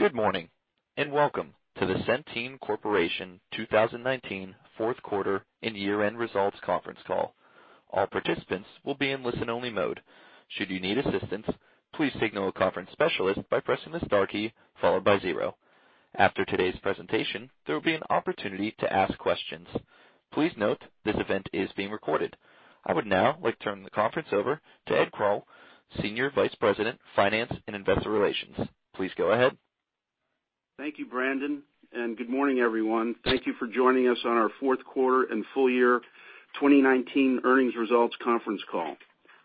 Good morning, and welcome to the Centene Corporation 2019 fourth quarter and year-end results conference call. All participants will be in listen-only mode. Should you need assistance, please signal a conference specialist by pressing the star key followed by zero. After today's presentation, there will be an opportunity to ask questions. Please note this event is being recorded. I would now like to turn the conference over to Edmund Kroll, Senior Vice President, Finance and Investor Relations. Please go ahead. Thank you, Brandon, and good morning, everyone. Thank you for joining us on our fourth quarter and full year 2019 earnings results conference call.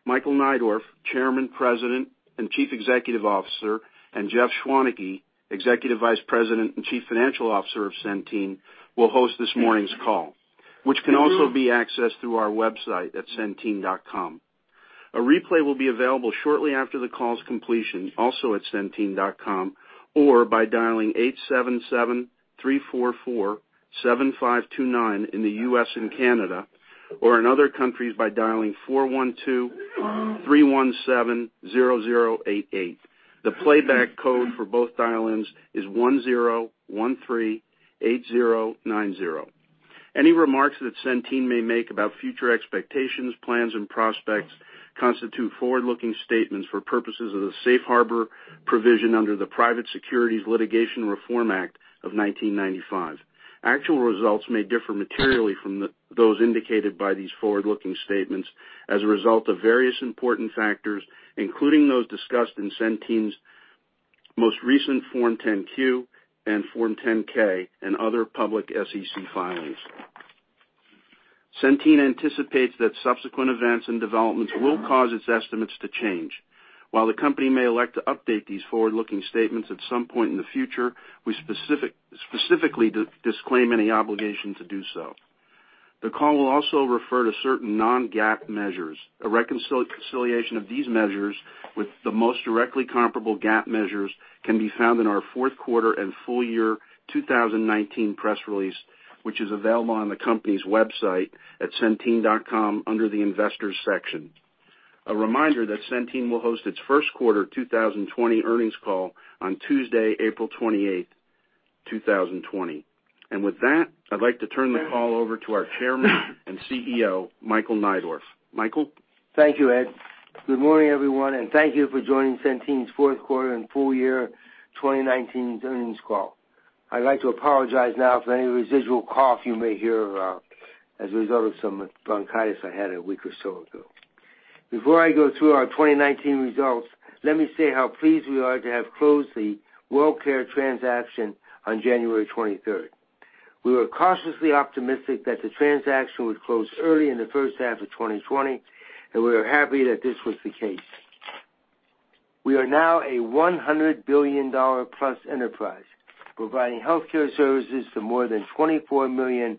Michael Neidorff, Chairman, President, and Chief Executive Officer, and Jeff Schwaneke, Executive Vice President and Chief Financial Officer of Centene, will host this morning's call, which can also be accessed through our website at centene.com. A replay will be available shortly after the call's completion, also at centene.com, or by dialing 877-344-7529 in the U.S. and Canada, or in other countries by dialing 412-317-0088. The playback code for both dial-ins is 10138090. Any remarks that Centene may make about future expectations, plans, and prospects constitute forward-looking statements for purposes of the safe harbor provision under the Private Securities Litigation Reform Act of 1995. Actual results may differ materially from those indicated by these forward-looking statements as a result of various important factors, including those discussed in Centene's most recent Form 10-Q and Form 10-K and other public SEC filings. Centene anticipates that subsequent events and developments will cause its estimates to change. While the company may elect to update these forward-looking statements at some point in the future, we specifically disclaim any obligation to do so. The call will also refer to certain non-GAAP measures. A reconciliation of these measures with the most directly comparable GAAP measures can be found in our fourth quarter and full year 2019 press release, which is available on the company's website at centene.com under the Investors section. A reminder that Centene will host its first quarter 2020 earnings call on Tuesday, April 28th, 2020. With that, I'd like to turn the call over to our Chairman and CEO, Michael Neidorff. Michael? Thank you, Ed. Good morning, everyone, and thank you for joining Centene's fourth quarter and full year 2019 earnings call. I'd like to apologize now for any residual cough you may hear as a result of some bronchitis I had a week or so ago. Before I go through our 2019 results, let me say how pleased we are to have closed the WellCare transaction on January 23rd. We were cautiously optimistic that the transaction would close early in the first half of 2020, and we are happy that this was the case. We are now a $100 billion-plus enterprise, providing healthcare services to more than 24 million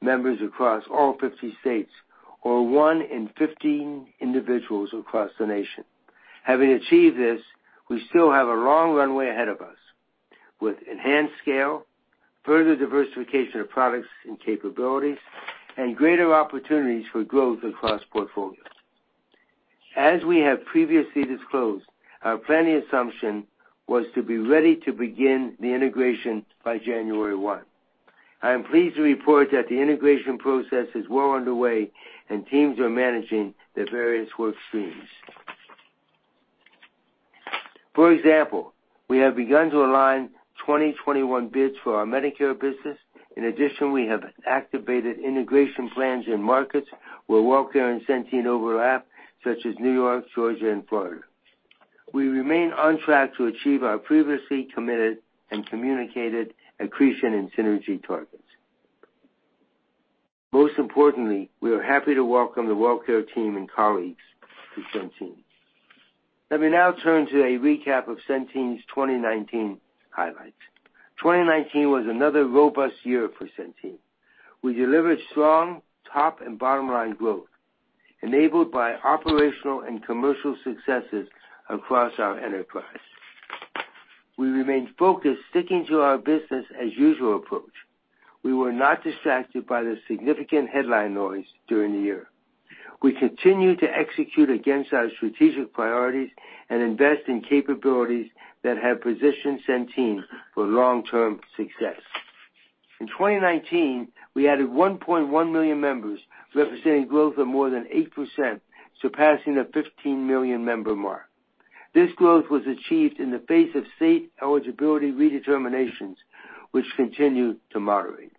members across all 50 states, or one in 15 individuals across the nation. Having achieved this, we still have a long runway ahead of us, with enhanced scale, further diversification of products and capabilities, and greater opportunities for growth across portfolios. As we have previously disclosed, our planning assumption was to be ready to begin the integration by January 1. I am pleased to report that the integration process is well underway and teams are managing their various workstreams. For example, we have begun to align 2021 bids for our Medicare business. In addition, we have activated integration plans in markets where WellCare and Centene overlap, such as New York, Georgia, and Florida. We remain on track to achieve our previously committed and communicated accretion and synergy targets. Most importantly, we are happy to welcome the WellCare team and colleagues to Centene. Let me now turn to a recap of Centene's 2019 highlights. 2019 was another robust year for Centene. We delivered strong top and bottom-line growth enabled by operational and commercial successes across our enterprise. We remained focused, sticking to our business as usual approach. We were not distracted by the significant headline noise during the year. We continued to execute against our strategic priorities and invest in capabilities that have positioned Centene for long-term success. In 2019, we added 1.1 million members, representing growth of more than 8%, surpassing the 15 million member mark. This growth was achieved in the face of state eligibility redeterminations, which continue to moderate.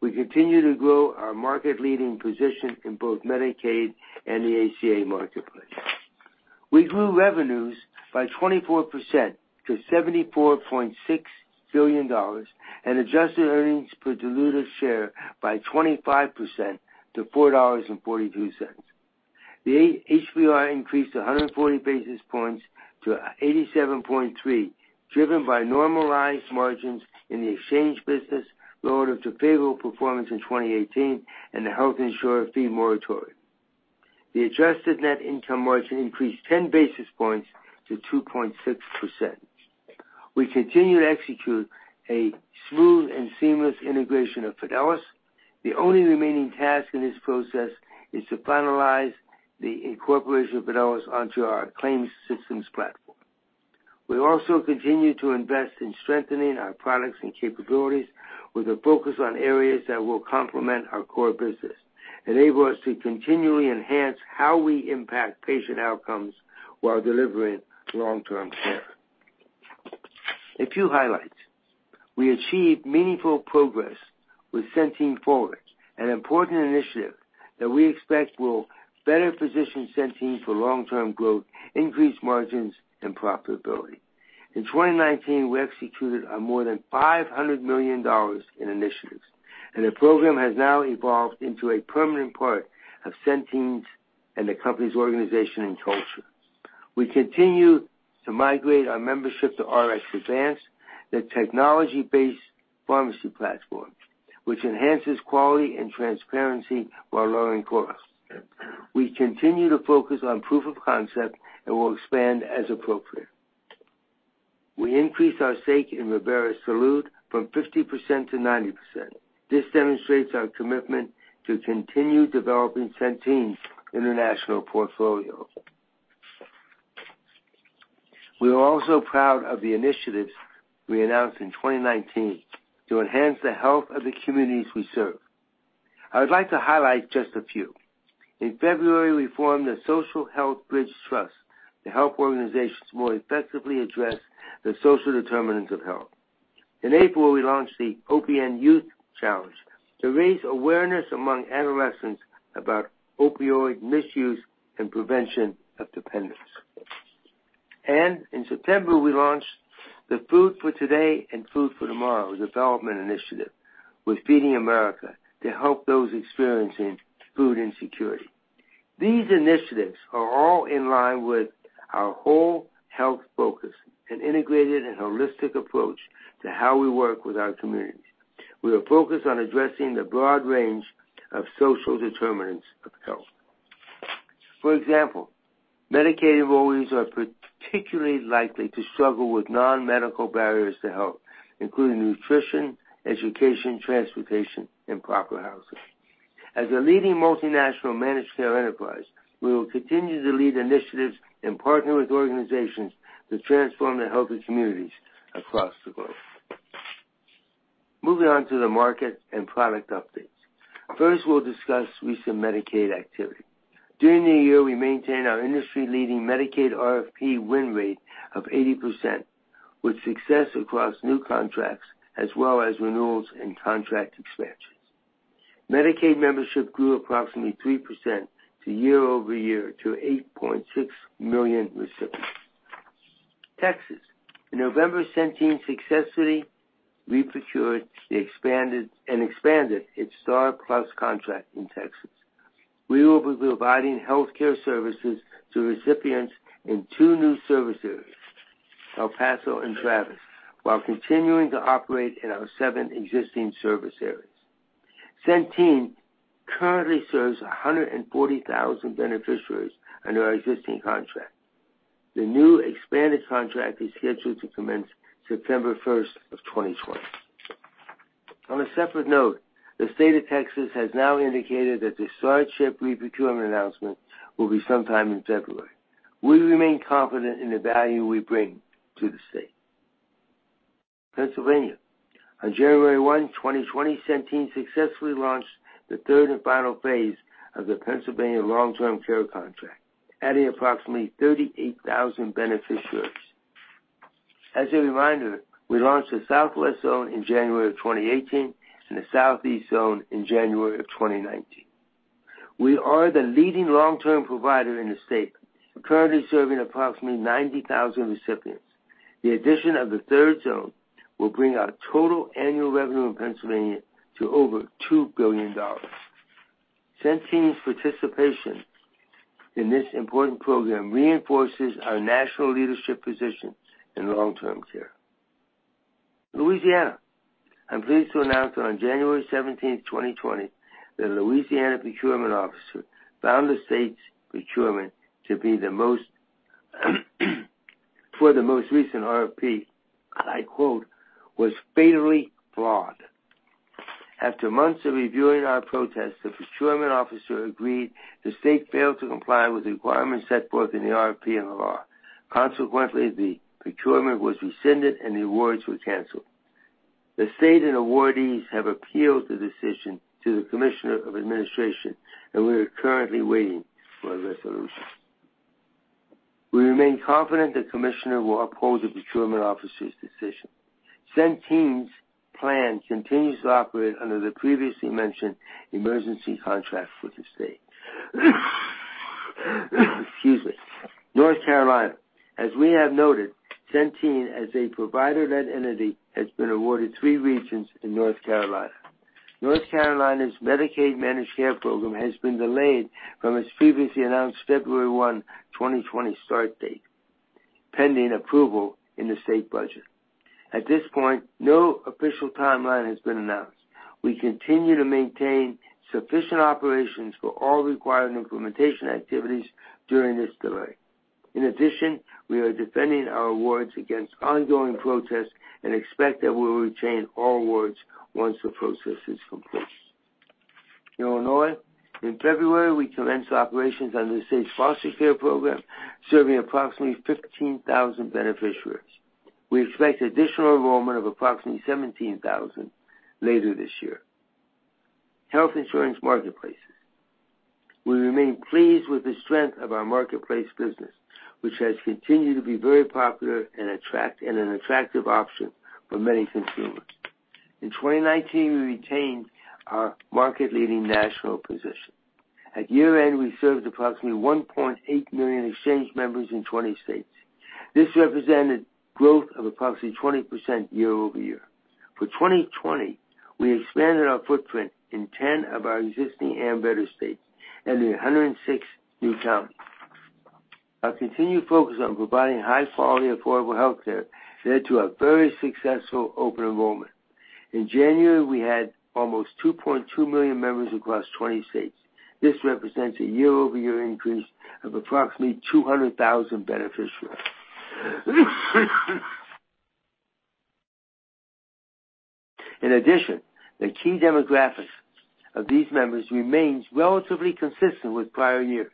We continue to grow our market-leading position in both Medicaid and the ACA marketplace. We grew revenues by 24% to $74.6 billion and adjusted earnings per diluted share by 25% to $4.42. The HBR increased 140 basis points to 87.3, driven by normalized margins in the exchange business lowered into favorable performance in 2018 and the health insurer fee moratorium. The adjusted net income margin increased 10 basis points to 2.6%. We continue to execute a smooth and seamless integration of Fidelis. The only remaining task in this process is to finalize the incorporation of Fidelis onto our claims systems platform. We also continue to invest in strengthening our products and capabilities with a focus on areas that will complement our core business, enable us to continually enhance how we impact patient outcomes while delivering long-term care. A few highlights. We achieved meaningful progress with Centene Forward, an important initiative that we expect will better position Centene for long-term growth, increased margins, and profitability. In 2019, we executed more than $500 million in initiatives. The program has now evolved into a permanent part of Centene's and the company's organization and culture. We continue to migrate our membership to RxAdvance, the technology-based pharmacy platform, which enhances quality and transparency while lowering costs. We continue to focus on proof of concept and will expand as appropriate. We increased our stake in Ribera Salud from 50% to 90%. This demonstrates our commitment to continue developing Centene's international portfolio. We are also proud of the initiatives we announced in 2019 to enhance the health of the communities we serve. I would like to highlight just a few. In February, we formed the Social Health Bridge Trust to help organizations more effectively address the social determinants of health. In April, we launched the Opioid Youth Challenge to raise awareness among adolescents about opioid misuse and prevention of dependence. In September, we launched the Food for Today and Food for Tomorrow development initiative with Feeding America to help those experiencing food insecurity. These initiatives are all in line with our whole health focus, an integrated and holistic approach to how we work with our communities. We are focused on addressing the broad range of social determinants of health. For example, Medicaid enrollees are particularly likely to struggle with non-medical barriers to health, including nutrition, education, transportation, and proper housing. As a leading multinational managed care enterprise, we will continue to lead initiatives and partner with organizations to transform the healthy communities across the globe. Moving on to the market and product updates. First, we'll discuss recent Medicaid activity. During the year, we maintained our industry-leading Medicaid RFP win rate of 80%, with success across new contracts, as well as renewals and contract expansions. Medicaid membership grew approximately 3% to year-over-year to 8.6 million recipients. Texas. In November, Centene successfully reprocured and expanded its STARPLUS contract in Texas. We will be providing healthcare services to recipients in two new service areas, El Paso and Travis, while continuing to operate in our seven existing service areas. Centene currently serves 140,000 beneficiaries under our existing contract. The new expanded contract is scheduled to commence September 1st of 2020. On a separate note, the State of Texas has now indicated that the STAR CHIP procurement announcement will be sometime in February. We remain confident in the value we bring to the state. Pennsylvania. On January 1, 2020, Centene successfully launched the third and final phase of the Pennsylvania long-term care contract, adding approximately 38,000 beneficiaries. As a reminder, we launched the Southwest Zone in January of 2018 and the Southeast Zone in January of 2019. We are the leading long-term provider in the state, currently serving approximately 90,000 recipients. The addition of the third zone will bring our total annual revenue in Pennsylvania to over $2 billion. Centene's participation in this important program reinforces our national leadership position in long-term care. Louisiana. I am pleased to announce on January 17, 2020, that a Louisiana procurement officer found the state's procurement to be the most, for the most recent RFP, and I quote, "Was fatally flawed." After months of reviewing our protests, the procurement officer agreed the state failed to comply with the requirements set forth in the RFP and the law. Consequently, the procurement was rescinded, and the awards were canceled. The state and awardees have appealed the decision to the Commissioner of Administration, and we are currently waiting for a resolution. We remain confident the commissioner will uphold the procurement officer's decision. Centene's plan continues to operate under the previously mentioned emergency contract with the state. Excuse me. North Carolina. As we have noted, Centene, as a provider-led entity, has been awarded three regions in North Carolina. North Carolina's Medicaid managed care program has been delayed from its previously announced February 1, 2020 start date, pending approval in the state budget. At this point, no official timeline has been announced. We continue to maintain sufficient operations for all required implementation activities during this delay. In addition, we are defending our awards against ongoing protests and expect that we'll retain all awards once the process is complete. Illinois, in February, we commenced operations under the state's foster care program, serving approximately 15,000 beneficiaries. We expect additional enrollment of approximately 17,000 later this year. Health Insurance Marketplaces. We remain pleased with the strength of our marketplace business, which has continued to be very popular and an attractive option for many consumers. In 2019, we retained our market-leading national position. At year-end, we served approximately 1.8 million exchange members in 20 states. This represented growth of approximately 20% year-over-year. For 2020, we expanded our footprint in 10 of our existing Ambetter states and in 106 new counties. Our continued focus on providing high-quality, affordable healthcare led to a very successful open enrollment. In January, we had almost 2.2 million members across 20 states. This represents a year-over-year increase of approximately 200,000 beneficiaries. The key demographics of these members remains relatively consistent with prior years.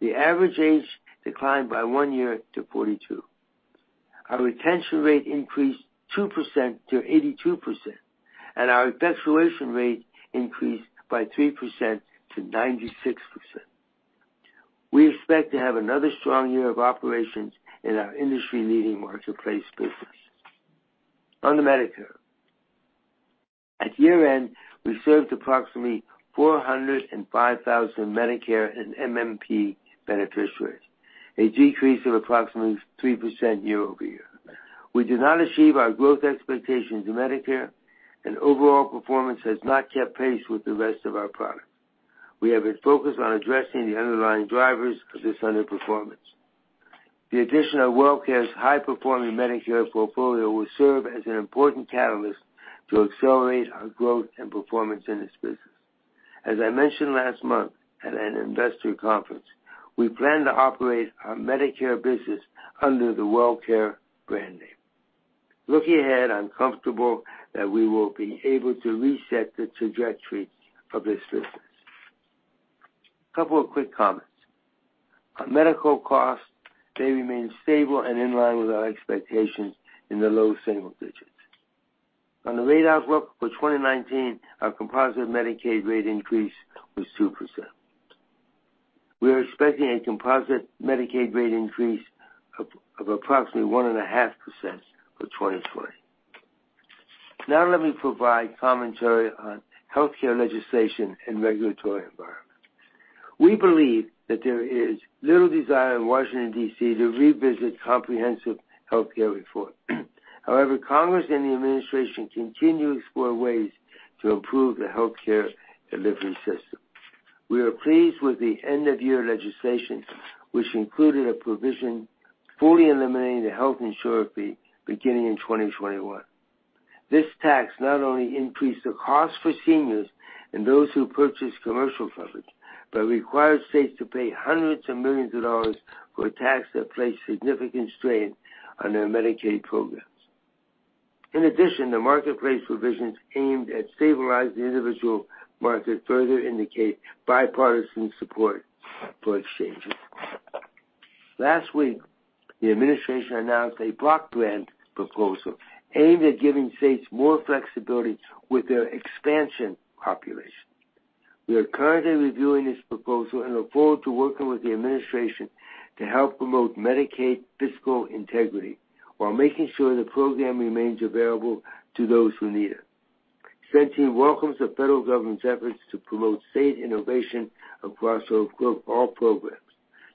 The average age declined by one year to 42. Our retention rate increased 2% to 82%, and our cancellation rate increased by 3% to 96%. We expect to have another strong year of operations in our industry-leading marketplace business. On the Medicare, at year-end, we served approximately 405,000 Medicare and MMP beneficiaries, a decrease of approximately 3% year-over-year. We did not achieve our growth expectations in Medicare, and overall performance has not kept pace with the rest of our products. We have been focused on addressing the underlying drivers of this underperformance. The addition of WellCare's high-performing Medicare portfolio will serve as an important catalyst to accelerate our growth and performance in this business. As I mentioned last month at an investor conference, we plan to operate our Medicare business under the WellCare brand name. Looking ahead, I'm comfortable that we will be able to reset the trajectory of this business. Couple of quick comments. Our medical costs, they remain stable and in line with our expectations in the low single digits. On the rate outlook for 2019, our composite Medicaid rate increase was 2%. We are expecting a composite Medicaid rate increase of approximately 1.5% for 2020. Let me provide commentary on healthcare legislation and regulatory environment. We believe that there is little desire in Washington, D.C., to revisit comprehensive healthcare reform. Congress and the Administration continue to explore ways to improve the healthcare delivery system. We are pleased with the end-of-year legislation, which included a provision fully eliminating the health insurer fee beginning in 2021. This tax not only increased the cost for seniors and those who purchase commercial coverage, but required states to pay hundreds of millions of dollars for a tax that placed significant strain on their Medicaid programs. The Marketplace revisions aimed at stabilizing the individual market further indicate bipartisan support for exchanges. Last week, the Administration announced a block grant proposal aimed at giving states more flexibility with their expansion population. We are currently reviewing this proposal and look forward to working with the administration to help promote Medicaid fiscal integrity while making sure the program remains available to those who need it. Centene welcomes the federal government's efforts to promote state innovation across all programs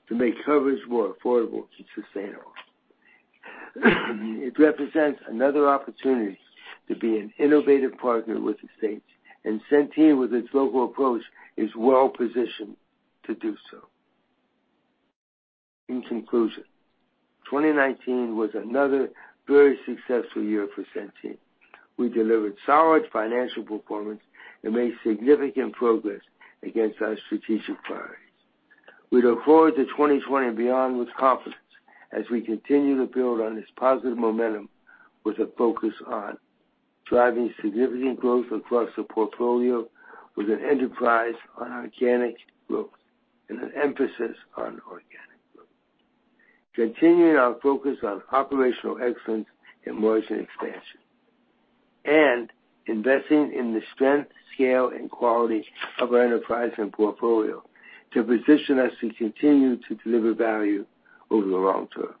to make coverage more affordable and sustainable. It represents another opportunity to be an innovative partner with the states, and Centene, with its local approach, is well positioned to do so. In conclusion, 2019 was another very successful year for Centene. We delivered solid financial performance and made significant progress against our strategic priorities. We look forward to 2020 and beyond with confidence as we continue to build on this positive momentum with a focus on driving significant growth across the portfolio with an enterprise on organic growth and an emphasis on organic growth. Continuing our focus on operational excellence and margin expansion, investing in the strength, scale, and quality of our enterprise and portfolio to position us to continue to deliver value over the long term.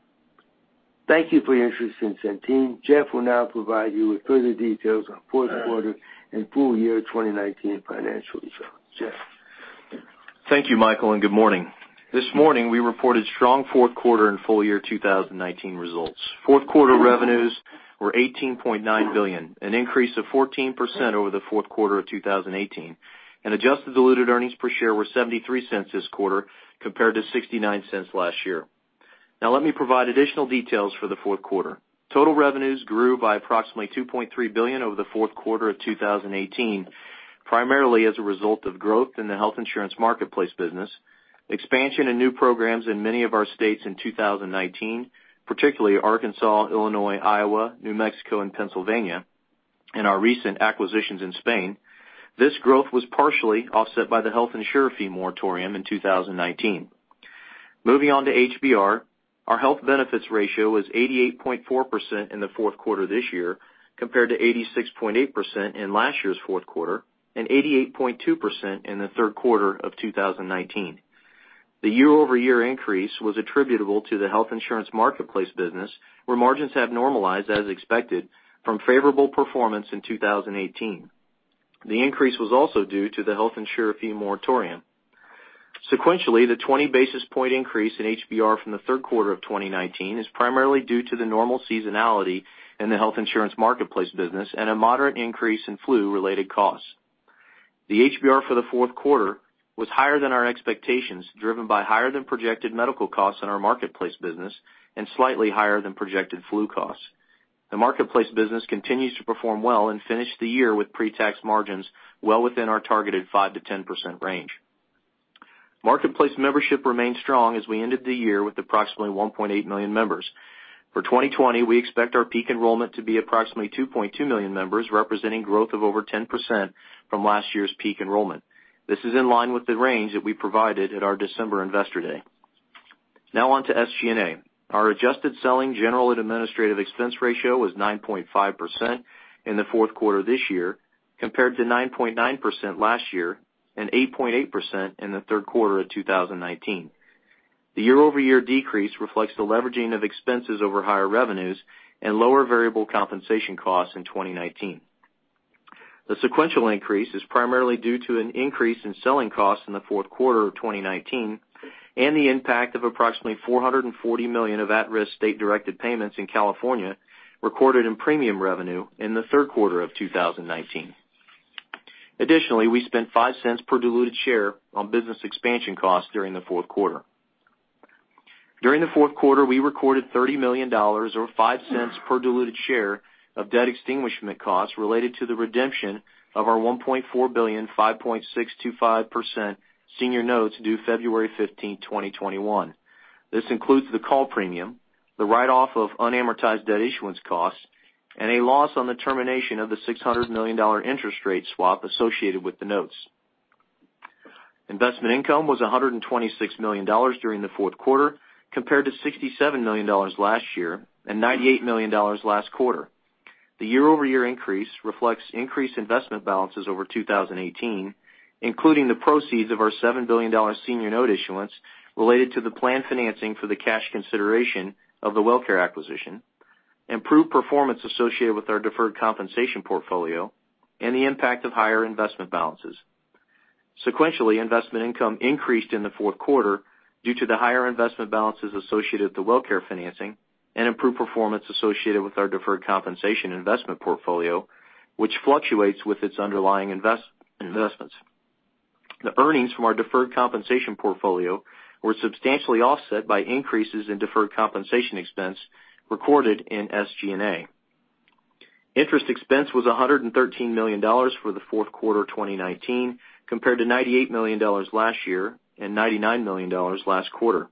Thank you for your interest in Centene. Jeff will now provide you with further details on fourth quarter and full year 2019 financial results. Jeff? Thank you, Michael, and good morning. This morning, we reported strong fourth quarter and full year 2019 results. Fourth quarter revenues were $18.9 billion, an increase of 14% over the fourth quarter of 2018, and adjusted diluted earnings per share were $0.73 this quarter compared to $0.69 last year. Let me provide additional details for the fourth quarter. Total revenues grew by approximately $2.3 billion over the fourth quarter of 2018. Primarily as a result of growth in the Health Insurance Marketplace business, expansion in new programs in many of our states in 2019, particularly Arkansas, Illinois, Iowa, New Mexico, and Pennsylvania, and our recent acquisitions in Spain. This growth was partially offset by the health insurer fee moratorium in 2019. Moving on to HBR. Our health benefits ratio was 88.4% in the fourth quarter of this year, compared to 86.8% in last year's fourth quarter and 88.2% in the third quarter of 2019. The year-over-year increase was attributable to the Health Insurance Marketplace business, where margins have normalized as expected from favorable performance in 2018. The increase was also due to the health insurer fee moratorium. Sequentially, the 20 basis point increase in HBR from the third quarter of 2019 is primarily due to the normal seasonality in the Health Insurance Marketplace business and a moderate increase in flu-related costs. The HBR for the fourth quarter was higher than our expectations, driven by higher than projected medical costs in our Marketplace business and slightly higher than projected flu costs. The Marketplace business continues to perform well and finished the year with pre-tax margins well within our targeted 5%-10% range. Marketplace membership remained strong as we ended the year with approximately 1.8 million members. For 2020, we expect our peak enrollment to be approximately 2.2 million members, representing growth of over 10% from last year's peak enrollment. This is in line with the range that we provided at our December investor day. On to SG&A. Our adjusted selling general and administrative expense ratio was 9.5% in the fourth quarter of this year, compared to 9.9% last year and 8.8% in the third quarter of 2019. The year-over-year decrease reflects the leveraging of expenses over higher revenues and lower variable compensation costs in 2019. The sequential increase is primarily due to an increase in selling costs in the fourth quarter of 2019 and the impact of approximately $440 million of at-risk state-directed payments in California recorded in premium revenue in the third quarter of 2019. Additionally, we spent $0.05 per diluted share on business expansion costs during the fourth quarter. During the fourth quarter, we recorded $30 million or $0.05 per diluted share of debt extinguishment costs related to the redemption of our $1.4 billion, 5.625% senior notes due February 15, 2021. This includes the call premium, the write-off of unamortized debt issuance costs, and a loss on the termination of the $600 million interest rate swap associated with the notes. Investment income was $126 million during the fourth quarter, compared to $67 million last year and $98 million last quarter. The year-over-year increase reflects increased investment balances over 2018, including the proceeds of our $7 billion senior note issuance related to the planned financing for the cash consideration of the WellCare acquisition, improved performance associated with our deferred compensation portfolio, and the impact of higher investment balances. Sequentially, investment income increased in the fourth quarter due to the higher investment balances associated with the WellCare financing and improved performance associated with our deferred compensation investment portfolio, which fluctuates with its underlying investments. The earnings from our deferred compensation portfolio were substantially offset by increases in deferred compensation expense recorded in SG&A. Interest expense was $113 million for the fourth quarter of 2019, compared to $98 million last year and $99 million last quarter.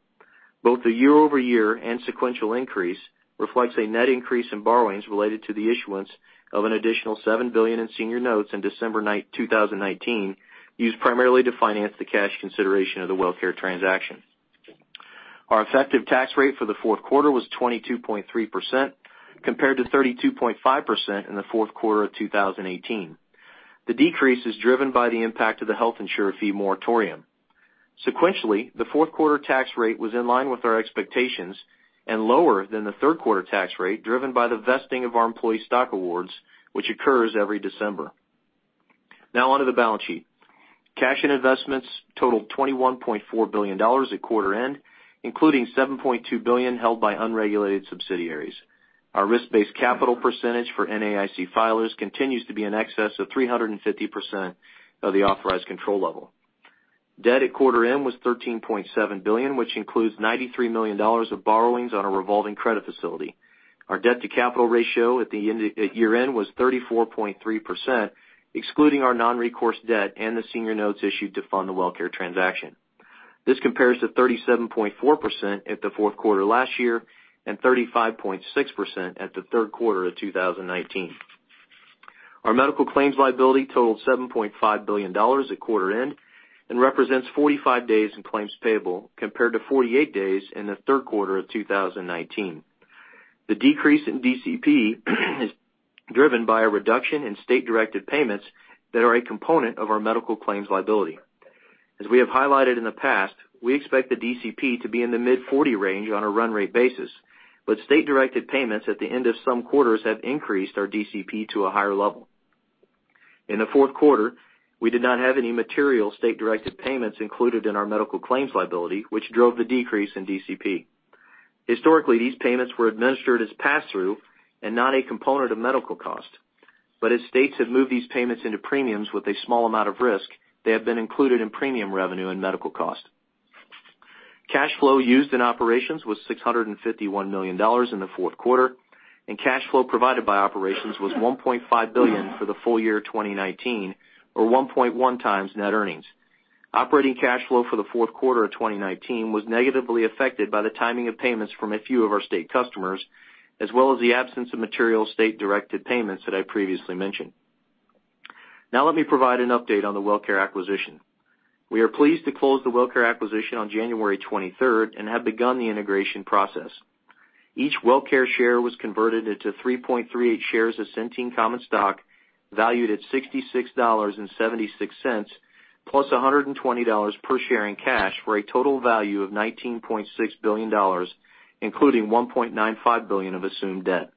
Both the year-over-year and sequential increase reflects a net increase in borrowings related to the issuance of an additional $7 billion in senior notes in December 9, 2019, used primarily to finance the cash consideration of the WellCare transaction. Our effective tax rate for the fourth quarter was 22.3%, compared to 32.5% in the fourth quarter of 2018. The decrease is driven by the impact of the health insurer fee moratorium. Sequentially, the fourth quarter tax rate was in line with our expectations and lower than the third quarter tax rate, driven by the vesting of our employee stock awards, which occurs every December. Now on to the balance sheet. Cash and investments totaled $21.4 billion at quarter end, including $7.2 billion held by unregulated subsidiaries. Our risk-based capital percentage for NAIC filers continues to be in excess of 350% of the authorized control level. Debt at quarter end was $13.7 billion, which includes $93 million of borrowings on a revolving credit facility. Our debt-to-capital ratio at year-end was 34.3%, excluding our non-recourse debt and the senior notes issued to fund the WellCare transaction. This compares to 37.4% at the fourth quarter last year and 35.6% at the third quarter of 2019. Our medical claims liability totaled $7.5 billion at quarter end and represents 45 days in claims payable, compared to 48 days in the third quarter of 2019. The decrease in DCP is driven by a reduction in state-directed payments that are a component of our medical claims liability. As we have highlighted in the past, we expect the DCP to be in the mid-40 range on a run-rate basis, but state-directed payments at the end of some quarters have increased our DCP to a higher level. In the fourth quarter, we did not have any material state-directed payments included in our medical claims liability, which drove the decrease in DCP. Historically, these payments were administered as pass-through and not a component of medical cost. As states have moved these payments into premiums with a small amount of risk, they have been included in premium revenue and medical cost. Cash flow used in operations was $651 million in the fourth quarter, and cash flow provided by operations was $1.5 billion for the full year 2019 or 1.1 times net earnings. Operating cash flow for the fourth quarter of 2019 was negatively affected by the timing of payments from a few of our state customers, as well as the absence of material state-directed payments that I previously mentioned. Let me provide an update on the WellCare acquisition. We are pleased to close the WellCare acquisition on January 23rd and have begun the integration process. Each WellCare share was converted into 3.38 shares of Centene common stock, valued at $66.76, plus $120 per share in cash, for a total value of $19.6 billion, including $1.95 billion of assumed debt.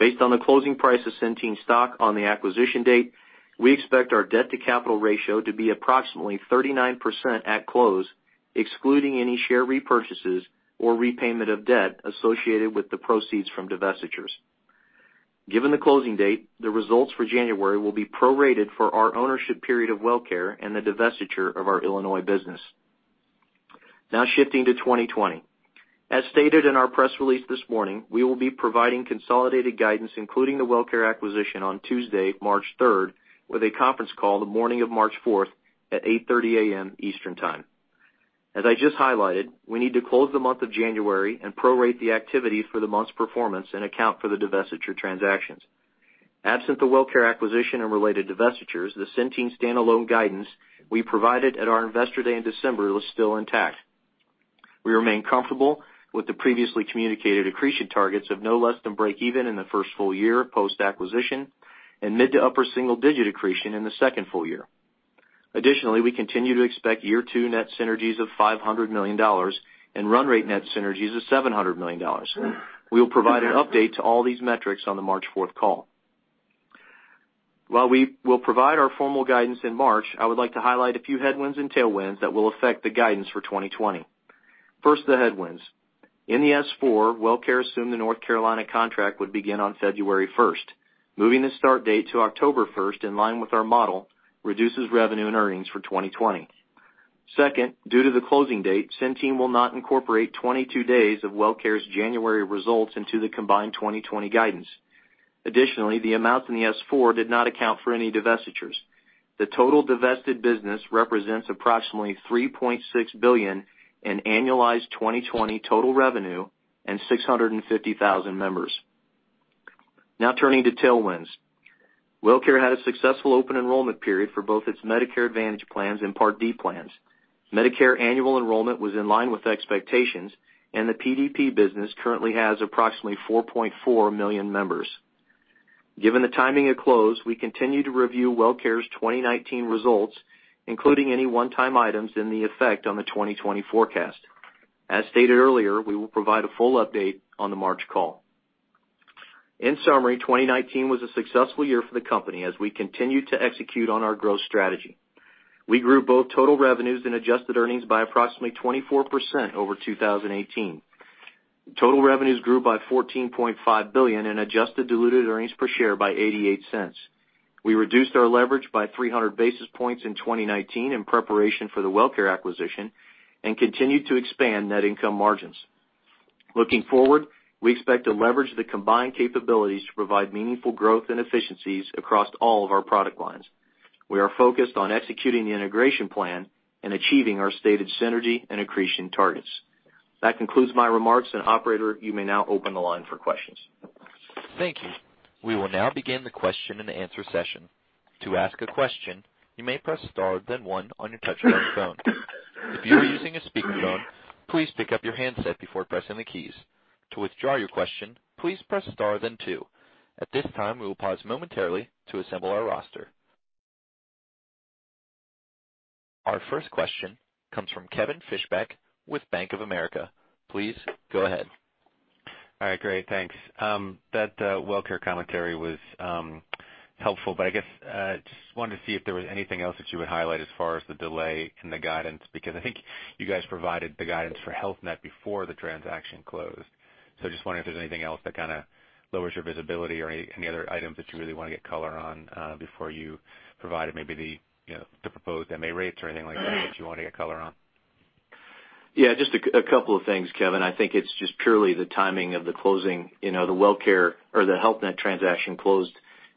Based on the closing price of Centene stock on the acquisition date, we expect our debt-to-capital ratio to be approximately 39% at close, excluding any share repurchases or repayment of debt associated with the proceeds from divestitures. Given the closing date, the results for January will be prorated for our ownership period of WellCare and the divestiture of our Illinois business. Shifting to 2020. As stated in our press release this morning, we will be providing consolidated guidance, including the WellCare acquisition on Tuesday, March 3rd, with a conference call the morning of March 4th at 8:30 A.M. Eastern Time. As I just highlighted, we need to close the month of January and prorate the activity for the month's performance and account for the divestiture transactions. Absent the WellCare acquisition and related divestitures, the Centene standalone guidance we provided at our Investor Day in December was still intact. We remain comfortable with the previously communicated accretion targets of no less than break even in the first full year post-acquisition, and mid to upper single digit accretion in the second full year. Additionally, we continue to expect year two net synergies of $500 million and run rate net synergies of $700 million. We will provide an update to all these metrics on the March 4th call. While we will provide our formal guidance in March, I would like to highlight a few headwinds and tailwinds that will affect the guidance for 2020. First, the headwinds. In the S-4, WellCare assumed the North Carolina contract would begin on February 1st. Moving the start date to October 1st, in line with our model, reduces revenue and earnings for 2020. Second, due to the closing date, Centene will not incorporate 22 days of WellCare's January results into the combined 2020 guidance. The amounts in the S-4 did not account for any divestitures. The total divested business represents approximately $3.6 billion in annualized 2020 total revenue and 650,000 members. Turning to tailwinds. WellCare had a successful open enrollment period for both its Medicare Advantage plans and Part D plans. Medicare annual enrollment was in line with expectations, and the PDP business currently has approximately 4.4 million members. Given the timing of close, we continue to review WellCare's 2019 results, including any one-time items and the effect on the 2020 forecast. As stated earlier, we will provide a full update on the March call. In summary, 2019 was a successful year for the company as we continued to execute on our growth strategy. We grew both total revenues and adjusted earnings by approximately 24% over 2018. Total revenues grew by $14.5 billion and adjusted diluted earnings per share by $0.88. We reduced our leverage by 300 basis points in 2019 in preparation for the WellCare acquisition and continued to expand net income margins. Looking forward, we expect to leverage the combined capabilities to provide meaningful growth and efficiencies across all of our product lines. We are focused on executing the integration plan and achieving our stated synergy and accretion targets. That concludes my remarks, and operator, you may now open the line for questions. Thank you. We will now begin the question and answer session. To ask a question, you may press star, then one on your touchtone phone. If you are using a speakerphone, please pick up your handset before pressing the keys. To withdraw your question, please press star, then two. At this time, we will pause momentarily to assemble our roster. Our first question comes from Kevin Fischbeck with Bank of America. Please go ahead. All right, great. Thanks. That WellCare commentary was helpful, but I guess just wanted to see if there was anything else that you would highlight as far as the delay in the guidance, because I think you guys provided the guidance for Health Net before the transaction closed. Just wondering if there's anything else that kind of lowers your visibility or any other items that you really want to get color on before you provided maybe the proposed MA rates or anything like that you want to get color on? Yeah, just a couple of things, Kevin. I think it's just purely the timing of the closing. The Health Net transaction closed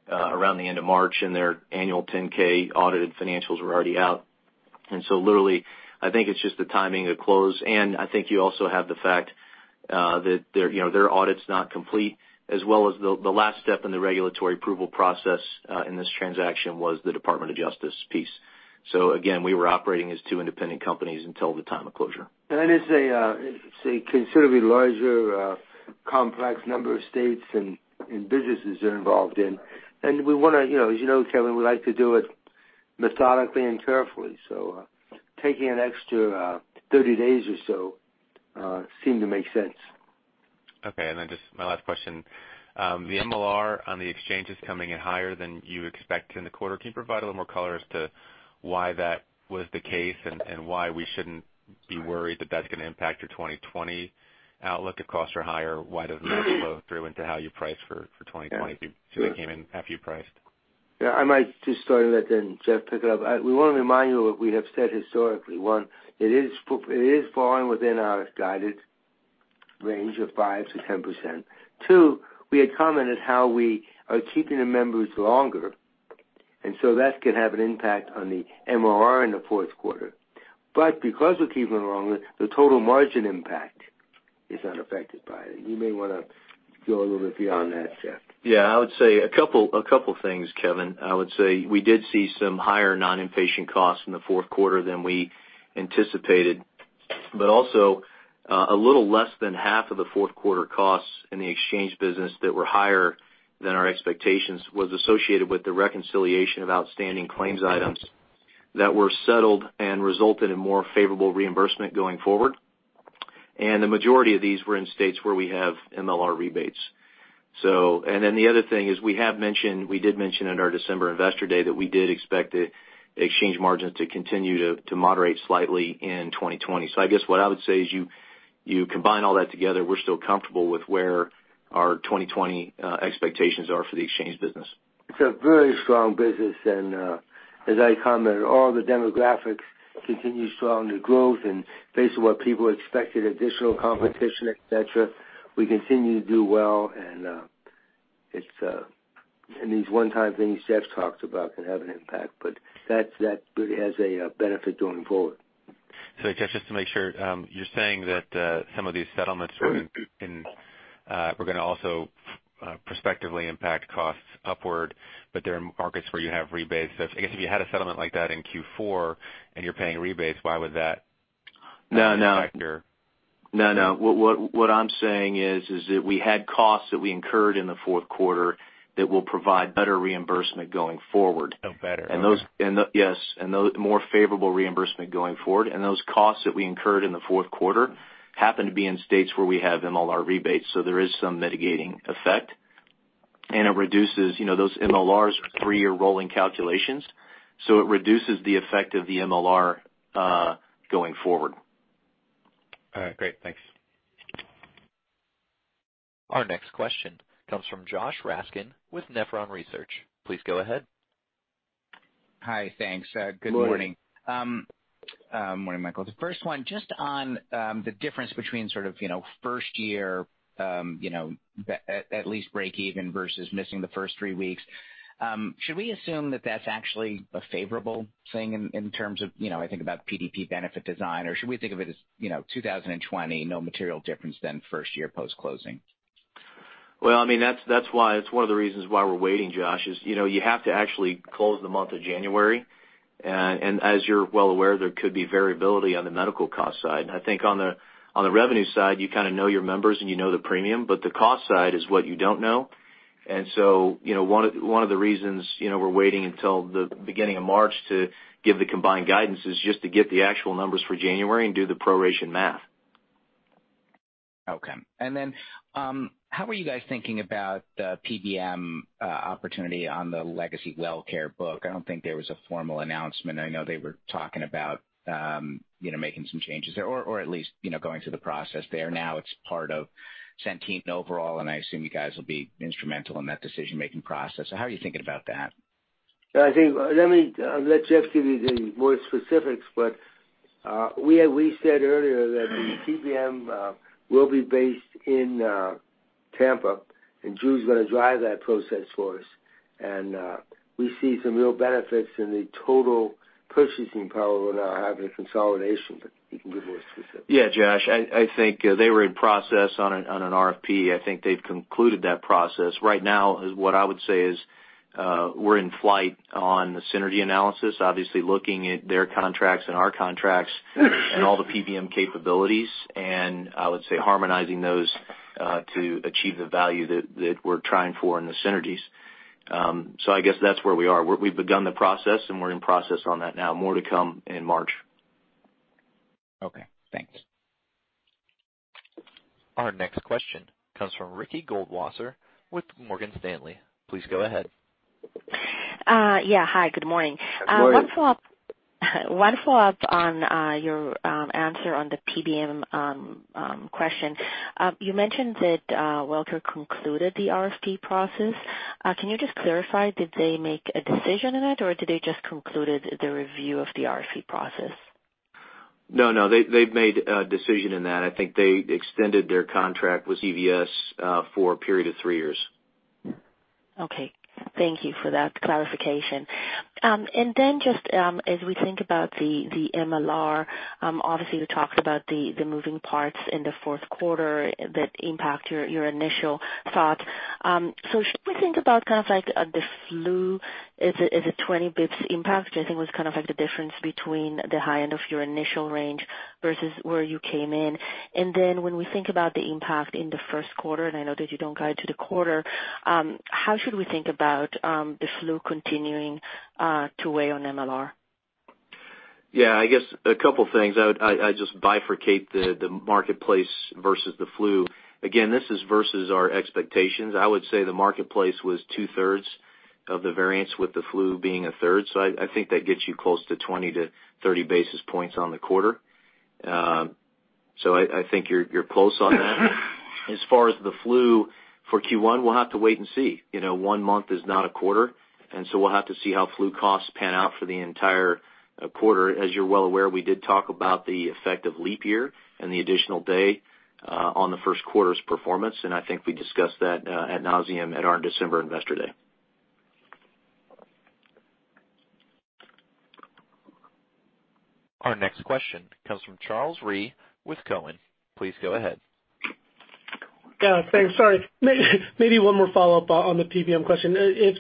around the end of March, and their annual 10-K audited financials were already out. Literally, I think it's just the timing of close, and I think you also have the fact that their audit's not complete, as well as the last step in the regulatory approval process in this transaction was the Department of Justice piece. Again, we were operating as two independent companies until the time of closure. It's a considerably larger, complex number of states and businesses they're involved in. As you know, Kevin, we like to do it methodically and carefully. Taking an extra 30 days or so seemed to make sense. Okay, just my last question. The MLR on the exchange is coming in higher than you expect in the quarter. Can you provide a little more color as to why that was the case and why we shouldn't be worried that that's going to impact your 2020 outlook at cost or higher? Why doesn't that flow through into how you price for 2020 since it came in after you priced? Yeah, I might just start and let then Jeff pick it up. We want to remind you of what we have said historically. One, it is falling within our guided range of 5% to 10%. Two, we had commented how we are keeping the members longer, and so that can have an impact on the MLR in the fourth quarter. Because we're keeping them longer, the total margin impact is unaffected by it. You may want to go a little bit beyond that, Jeff. Yeah, I would say a couple of things, Kevin. We did see some higher non-patient costs in the fourth quarter than we anticipated, also, a little less than half of the fourth quarter costs in the exchange business that were higher than our expectations was associated with the reconciliation of outstanding claims items that were settled and resulted in more favorable reimbursement going forward. The majority of these were in states where we have MLR rebates. The other thing is, we did mention in our December investor day that we did expect the exchange margins to continue to moderate slightly in 2020. I guess what I would say is you combine all that together, we're still comfortable with where our 2020 expectations are for the exchange business. It's a very strong business. As I commented, all the demographics continue strong, the growth, and based on what people expected, additional competition, et cetera, we continue to do well. These one-time things Jeff's talked about can have an impact, but that really has a benefit going forward. Jeff, just to make sure, you're saying that some of these settlements were going to also prospectively impact costs upward, but there are markets where you have rebates. I guess if you had a settlement like that in Q4 and you're paying rebates, why would that? No not affect your- No. What I'm saying is that we had costs that we incurred in the fourth quarter that will provide better reimbursement going forward. Oh, better. Okay. Yes, more favorable reimbursement going forward. Those costs that we incurred in the fourth quarter happen to be in states where we have MLR rebates, so there is some mitigating effect, and it reduces those MLRs three-year rolling calculations. It reduces the effect of the MLR going forward. All right, great. Thanks. Our next question comes from Josh Raskin with Nephron Research. Please go ahead. Hi, thanks. Good morning. Good morning, Michael. The first one, just on the difference between sort of first year at least break even versus missing the first three weeks. Should we assume that that's actually a favorable thing in terms of, I think about PDP benefit design, or should we think of it as 2020, no material difference than first year post-closing? Well, that's one of the reasons why we're waiting, Josh, is you have to actually close the month of January. As you're well aware, there could be variability on the medical cost side. I think on the revenue side, you kind of know your members and you know the premium. The cost side is what you don't know. One of the reasons we're waiting until the beginning of March to give the combined guidance is just to get the actual numbers for January and do the proration math. Okay. How are you guys thinking about the PBM opportunity on the legacy WellCare book? I don't think there was a formal announcement. I know they were talking about making some changes there, or at least going through the process there. Now it's part of Centene overall, I assume you guys will be instrumental in that decision-making process. How are you thinking about that? I think, let Jeff give you the more specifics, but we said earlier that the PBM will be based in Tampa, and Drew's going to drive that process for us. We see some real benefits in the total purchasing power when I have the consolidation, but he can give more specifics. Yeah, Josh, I think they were in process on an RFP. I think they've concluded that process. Right now, what I would say is we're in flight on the synergy analysis, obviously looking at their contracts and our contracts and all the PBM capabilities, and I would say harmonizing those to achieve the value that we're trying for in the synergies. I guess that's where we are. We've begun the process and we're in process on that now. More to come in March. Okay, thanks. Our next question comes from Ricky Goldwasser with Morgan Stanley. Please go ahead. Yeah. Hi, good morning. Good morning. One follow-up on your answer on the PBM question. You mentioned that WellCare concluded the RFP process. Can you just clarify, did they make a decision in it, or did they just conclude the review of the RFP process? No, they've made a decision in that. I think they extended their contract with CVS for a period of three years. Okay. Thank you for that clarification. Just as we think about the MLR, obviously you talked about the moving parts in the fourth quarter that impact your initial thought. Should we think about kind of like the flu as a 20 basis points impact? Which I think was kind of like the difference between the high end of your initial range versus where you came in. When we think about the impact in the first quarter, and I know that you don't guide to the quarter, how should we think about the flu continuing to weigh on MLR? Yeah, I guess a couple of things. I just bifurcate the marketplace versus the flu. Again, this is versus our expectations. I would say the marketplace was two-thirds of the variance, with the flu being a third. I think that gets you close to 20 to 30 basis points on the quarter. I think you're close on that. As far as the flu for Q1, we'll have to wait and see. One month is not a quarter, and so we'll have to see how flu costs pan out for the entire quarter. As you're well aware, we did talk about the effect of leap year and the additional day on the first quarter's performance, and I think we discussed that at nauseam at our December investor day. Our next question comes from Charles Rhyee with Cowen. Please go ahead. Yeah, thanks. Sorry. Maybe one more follow-up on the PBM question. It's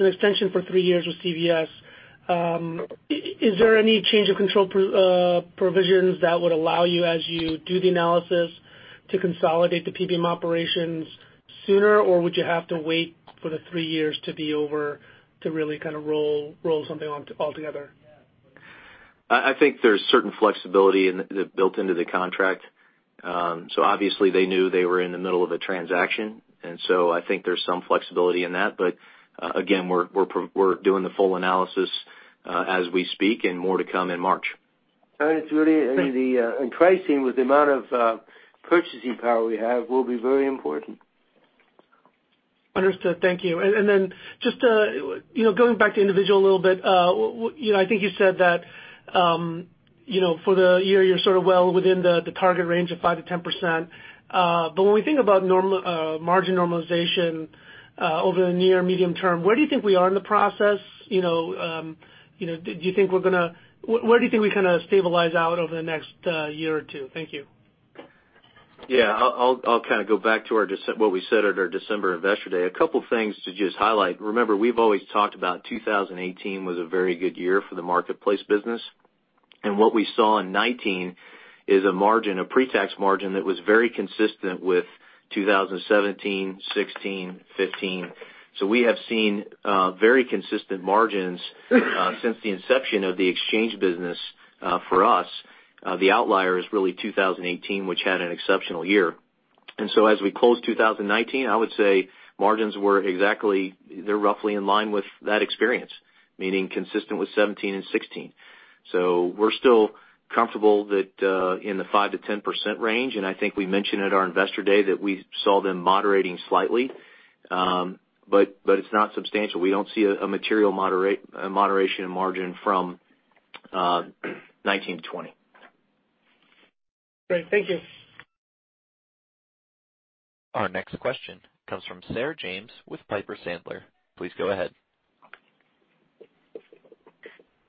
an extension for three years with CVS, is there any change of control provisions that would allow you, as you do the analysis, to consolidate the PBM operations sooner? Would you have to wait for the three years to be over to really kind of roll something all together? I think there's certain flexibility built into the contract. Obviously they knew they were in the middle of a transaction, and so I think there's some flexibility in that. Again, we're doing the full analysis, as we speak and more to come in March. It's really in pricing with the amount of purchasing power we have will be very important. Understood. Thank you. Just, going back to individual a little bit, I think you said that, for the year, you're sort of well within the target range of 5% to 10%, but when we think about margin normalization, over the near medium term, where do you think we are in the process? Where do you think we kind of stabilize out over the next year or two? Thank you. I'll kind of go back to what we said at our December investor day. A couple things to just highlight. Remember, we've always talked about 2018 was a very good year for the marketplace business, and what we saw in 2019 is a margin, a pre-tax margin that was very consistent with 2017, 2016, 2015. We have seen very consistent margins since the inception of the exchange business for us. The outlier is really 2018, which had an exceptional year. As we close 2019, I would say margins were roughly in line with that experience, meaning consistent with 2017 and 2016. We're still comfortable that, in the 5%-10% range, and I think we mentioned at our investor day that we saw them moderating slightly. It's not substantial. We don't see a material moderation in margin from 2019 to 2020. Great. Thank you. Our next question comes from Sarah James with Piper Sandler. Please go ahead.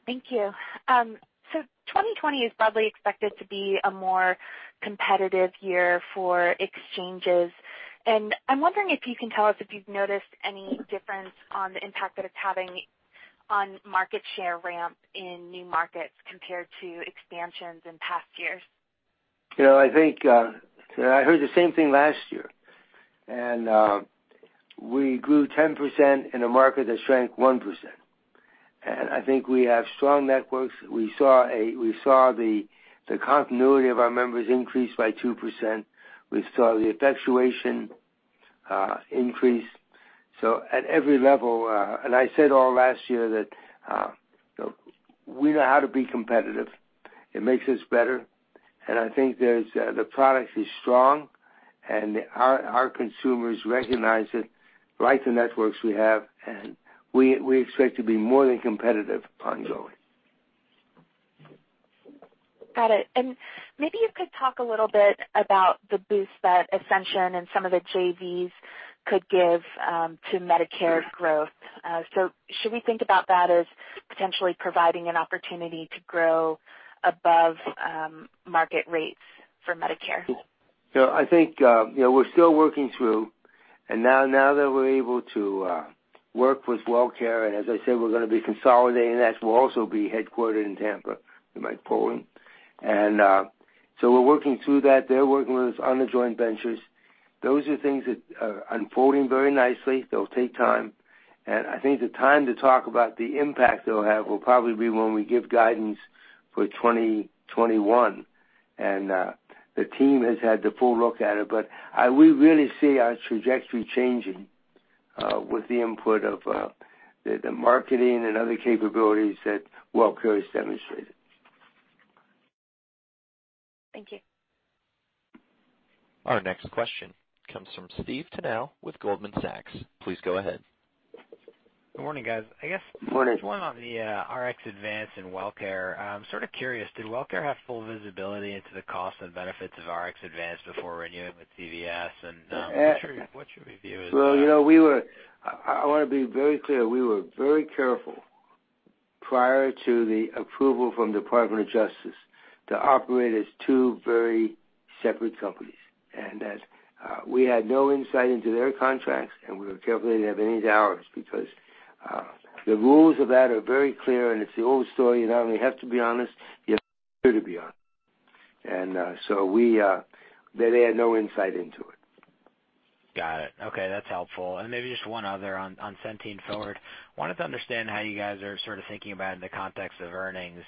Thank you. 2020 is broadly expected to be a more competitive year for Exchanges, and I'm wondering if you can tell us if you've noticed any difference on the impact that it's having on market share ramp in new markets compared to expansions in past years. I think, I heard the same thing last year. We grew 10% in a market that shrank 1%. I think we have strong networks. We saw the continuity of our members increase by 2%. We saw the effectuation increase. At every level, and I said all last year that, we know how to be competitive. It makes us better. I think the product is strong, and our consumers recognize it, like the networks we have, and we expect to be more than competitive ongoing. Got it. Maybe you could talk a little bit about the boost that Ascension and some of the JVs could give to Medicare growth. Should we think about that as potentially providing an opportunity to grow above market rates for Medicare? I think, we're still working through, and now that we're able to work with WellCare, and as I said, we're going to be consolidating, that will also be headquartered in Tampa with Michael Polen. We're working through that. They're working with us on the joint ventures. Those are things that are unfolding very nicely. They'll take time. I think the time to talk about the impact they'll have will probably be when we give guidance for 2021. The team has had the full look at it, but we really see our trajectory changing, with the input of the marketing and other capabilities that WellCare has demonstrated. Thank you. Our next question comes from Stephen Tanal with Goldman Sachs. Please go ahead. Good morning, guys. Morning. I guess just one on the RxAdvance and WellCare. I'm sort of curious, did WellCare have full visibility into the cost and benefits of RxAdvance before renewing with CVS? What's your review of that? Well, I want to be very clear. We were very careful prior to the approval from Department of Justice to operate as two very separate companies. We had no insight into their contracts, and we were careful they didn't have any into ours because the rules of that are very clear, and it's the old story. You not only have to be honest, you have to be honest. They had no insight into it. Got it. Okay. That's helpful. Maybe just one other on Centene Forward. I wanted to understand how you guys are sort of thinking about it in the context of earnings.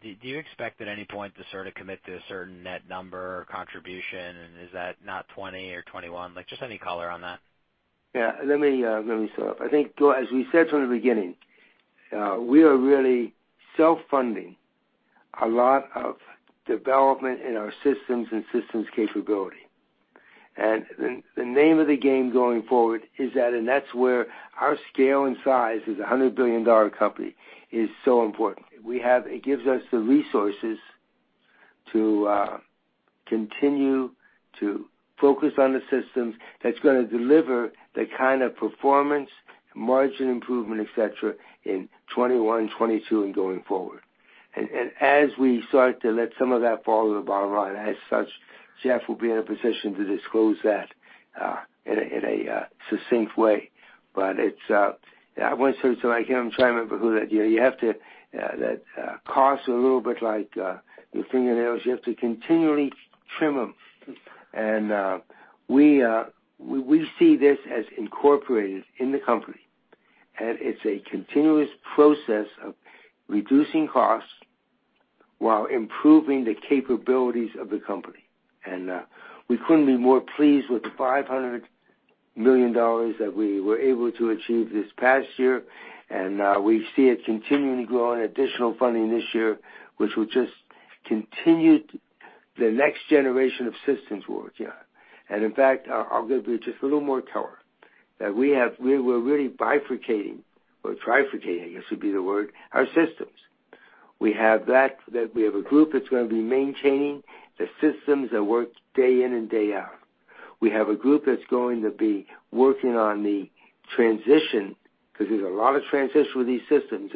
Do you expect at any point to sort of commit to a certain net number or contribution? Is that not 2020 or 2021? Like just any color on that? Yeah, let me start off. I think, as we said from the beginning, we are really self-funding a lot of development in our systems and systems capability. The name of the game going forward is that, and that's where our scale and size as a $100 billion company is so important. It gives us the resources to continue to focus on the systems that's going to deliver the kind of performance, margin improvement, et cetera, in 2021, 2022, and going forward. As we start to let some of that fall to the bottom line, as such, Jeff will be in a position to disclose that in a succinct way. I want to say something I hear, I'm trying to remember who that costs are a little bit like your fingernails, you have to continually trim them. We see this as incorporated in the company, and it's a continuous process of reducing costs while improving the capabilities of the company. We couldn't be more pleased with the $500 million that we were able to achieve this past year. We see it continuing to grow and additional funding this year, which will just continue the next generation of systems work. In fact, I'll give you just a little more color. That we're really bifurcating, or trifurcating, I guess would be the word, our systems. We have that we have a group that's going to be maintaining the systems that work day in and day out. We have a group that's going to be working on the transition, because there's a lot of transition with these systems.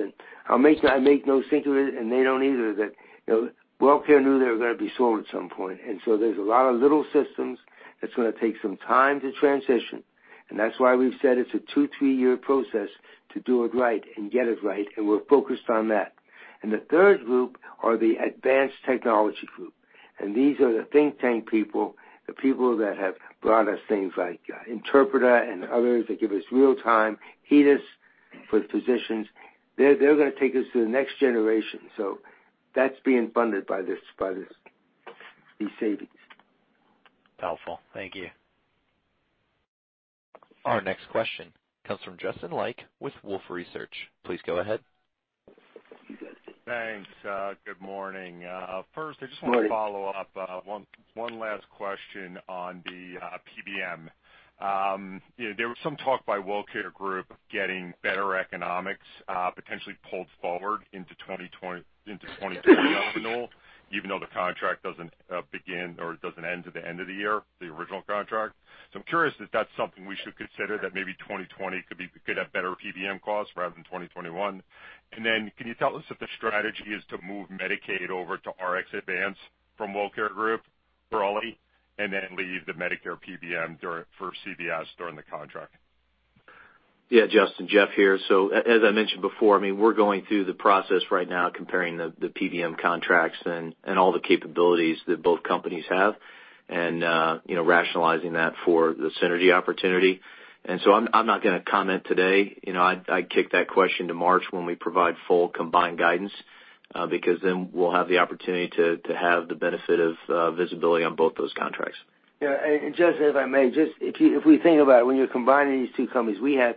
I make no secret, and they don't either, that WellCare knew they were going to be sold at some point. There's a lot of little systems that's going to take some time to transition. That's why we've said it's a two, three-year process to do it right and get it right, and we're focused on that. The third group are the advanced technology group. These are the think tank people, the people that have brought us things like Interpreter and others that give us real time, HEDIS for the physicians. They're going to take us to the next generation. That's being funded by these savings. Powerful. Thank you. Our next question comes from Justin Lake with Wolfe Research. Please go ahead. Thanks. Good morning. Morning. First, I just want to follow up, one last question on the PBM. There was some talk by WellCare getting better economics, potentially pulled forward into 2020 nominal, even though the contract doesn't begin or it doesn't end until the end of the year, the original contract. I'm curious if that's something we should consider, that maybe 2020 could have better PBM costs rather than 2021. Can you tell us if the strategy is to move Medicaid over to RxAdvance from WellCare for Ali, and then leave the Medicare PBM for CVS during the contract? Yeah, Justin, Jeff here. As I mentioned before, we're going through the process right now comparing the PBM contracts and all the capabilities that both companies have and rationalizing that for the synergy opportunity. I'm not going to comment today. I'd kick that question to March when we provide full combined guidance, because then we'll have the opportunity to have the benefit of visibility on both those contracts. Yeah. Justin, if I may, just if we think about it, when you're combining these two companies, we had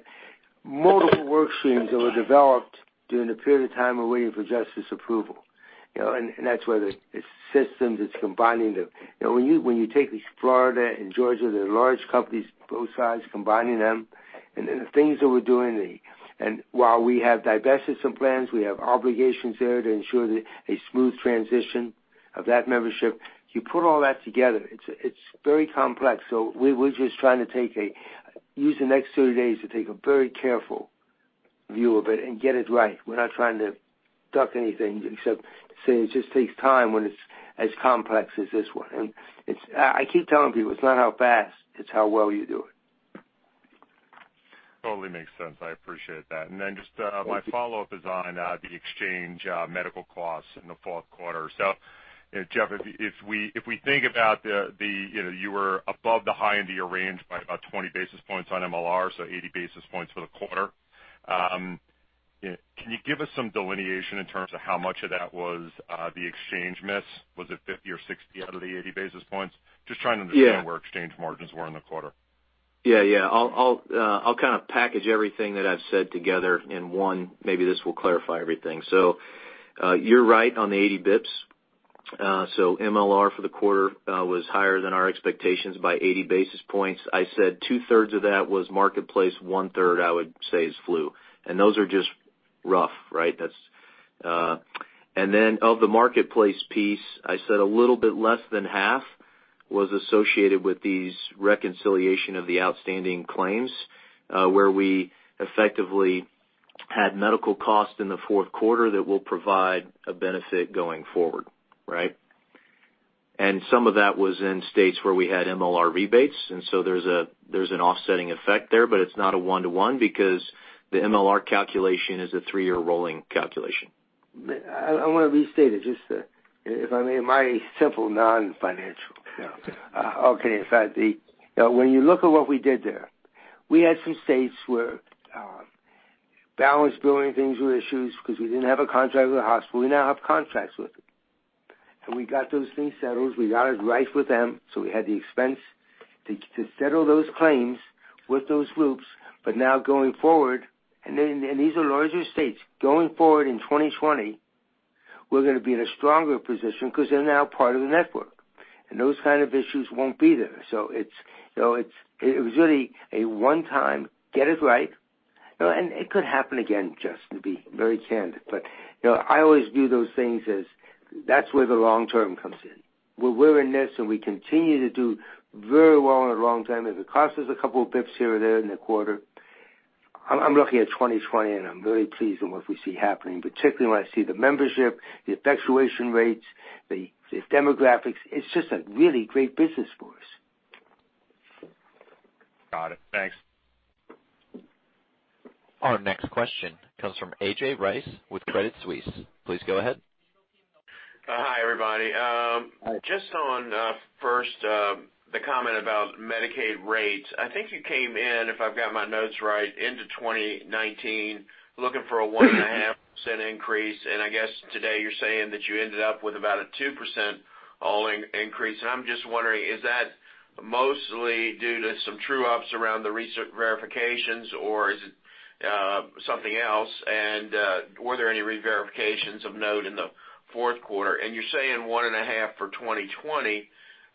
multiple work streams that were developed during the period of time we're waiting for Justice approval. That's where the systems, it's combining them. When you take these Florida and Georgia, they're large companies, both sides, combining them, and then the things that we're doing. While we have divested some plans, we have obligations there to ensure that a smooth transition of that membership. You put all that together, it's very complex. We're just trying to use the next 30 days to take a very careful view of it and get it right. We're not trying to duck anything except say it just takes time when it's as complex as this one. I keep telling people, it's not how fast, it's how well you do it. Totally makes sense. I appreciate that. Just my follow-up is on the exchange medical costs in the fourth quarter. Jeff, if we think about you were above the high end of your range by about 20 basis points on MLR, so 80 basis points for the quarter. Can you give us some delineation in terms of how much of that was the exchange miss? Was it 50 or 60 out of the 80 basis points? Just trying to understand- Yeah where exchange margins were in the quarter. Yeah. I'll kind of package everything that I've said together in one. Maybe this will clarify everything. You're right on the 80 bips. MLR for the quarter was higher than our expectations by 80 basis points. I said two-thirds of that was Health Insurance Marketplace, one-third, I would say, is flu. Those are just rough, right? Of the Health Insurance Marketplace piece, I said a little bit less than half was associated with these reconciliation of the outstanding claims, where we effectively had medical costs in the fourth quarter that will provide a benefit going forward. Right? Some of that was in states where we had MLR rebates, and so there's an offsetting effect there, but it's not a one-to-one because the MLR calculation is a three-year rolling calculation. I want to restate it, just if I may, in my simple non-financial. Yeah. Okay. In fact, when you look at what we did there, we had some states where balance billing things were issues because we didn't have a contract with the hospital. We now have contracts with them. We got those things settled. We got it right with them. We had the expense to settle those claims with those groups. Now going forward, and these are larger states, going forward in 2020, we're going to be in a stronger position because they're now part of the network, and those kind of issues won't be there. It was really a one-time get it right. It could happen again, Justin, to be very candid. I always view those things as that's where the long term comes in. Where we're in this, and we continue to do very well in the long term. If it costs us a couple of pips here or there in the quarter, I'm looking at 2020, and I'm very pleased in what we see happening, particularly when I see the membership, the effectuation rates, the demographics. It's just a really great business for us. Got it. Thanks. Our next question comes from A.J. Rice with Credit Suisse. Please go ahead. Hi, everybody. Hi. Just on, first, the comment about Medicaid rates. I think you came in, if I've got my notes right, into 2019 looking for a 1.5% increase. I guess today you're saying that you ended up with about a 2% all increase. I'm just wondering, is that mostly due to some true-ups around the recent verifications, or is it something else? Were there any re-verifications of note in the fourth quarter? You're saying 1.5% for 2020.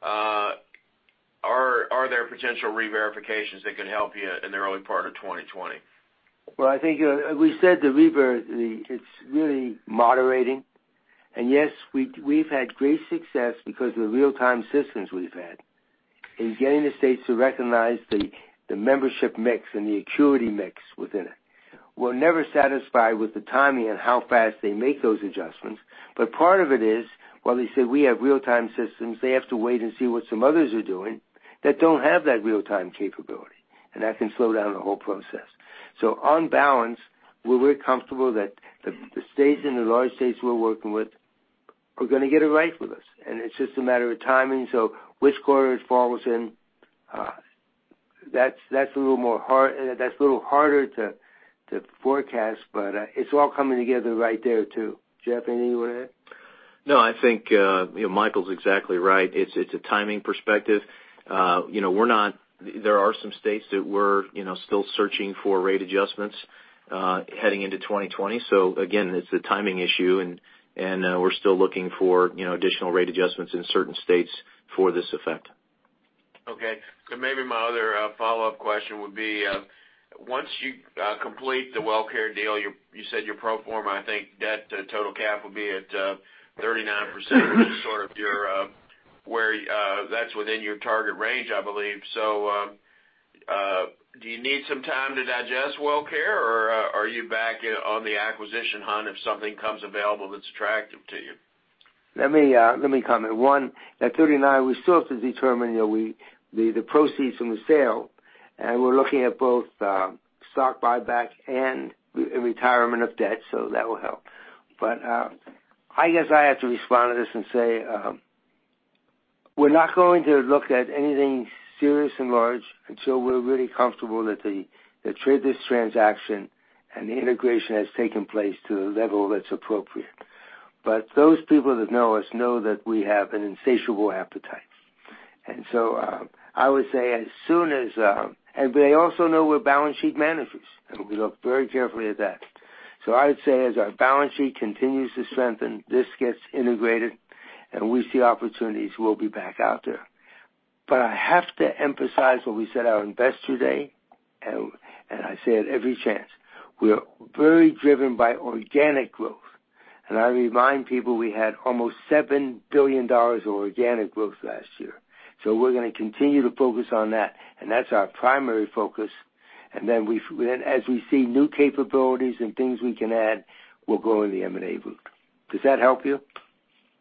Are there potential re-verifications that could help you in the early part of 2020? Well, I think, we said the rebirth, it's really moderating. Yes, we've had great success because of the real-time systems we've had in getting the states to recognize the membership mix and the acuity mix within it. We're never satisfied with the timing and how fast they make those adjustments. Part of it is, while they say we have real-time systems, they have to wait and see what some others are doing that don't have that real-time capability, and that can slow down the whole process. On balance, we're comfortable that the states and the large states we're working with are going to get it right with us, and it's just a matter of timing. Which quarter it falls in, that's a little harder to forecast, but it's all coming together right there, too. Jeff, anything you want to add? No, I think Michael's exactly right. It's a timing perspective. There are some states that we're still searching for rate adjustments heading into 2020. Again, it's a timing issue, and we're still looking for additional rate adjustments in certain states for this effect. Okay. Maybe my other follow-up question would be, once you complete the WellCare deal, you said your pro forma, I think, debt to total cap will be at 39%, that's within your target range, I believe. Do you need some time to digest WellCare, or are you back on the acquisition hunt if something comes available that's attractive to you? Let me comment. One, that 39, we still have to determine the proceeds from the sale, and we're looking at both stock buyback and retirement of debt. That will help. I guess I have to respond to this and say, we're not going to look at anything serious and large until we're really comfortable that this transaction and the integration has taken place to the level that's appropriate. Those people that know us know that we have an insatiable appetite. They also know we're balance sheet managers, and we look very carefully at that. I would say as our balance sheet continues to strengthen, this gets integrated, and we see opportunities, we'll be back out there. I have to emphasize what we said at Investor Day, and I say it every chance. We are very driven by organic growth. I remind people we had almost $7 billion of organic growth last year. We're going to continue to focus on that, and that's our primary focus, and then as we see new capabilities and things we can add, we'll go in the M&A route. Does that help you?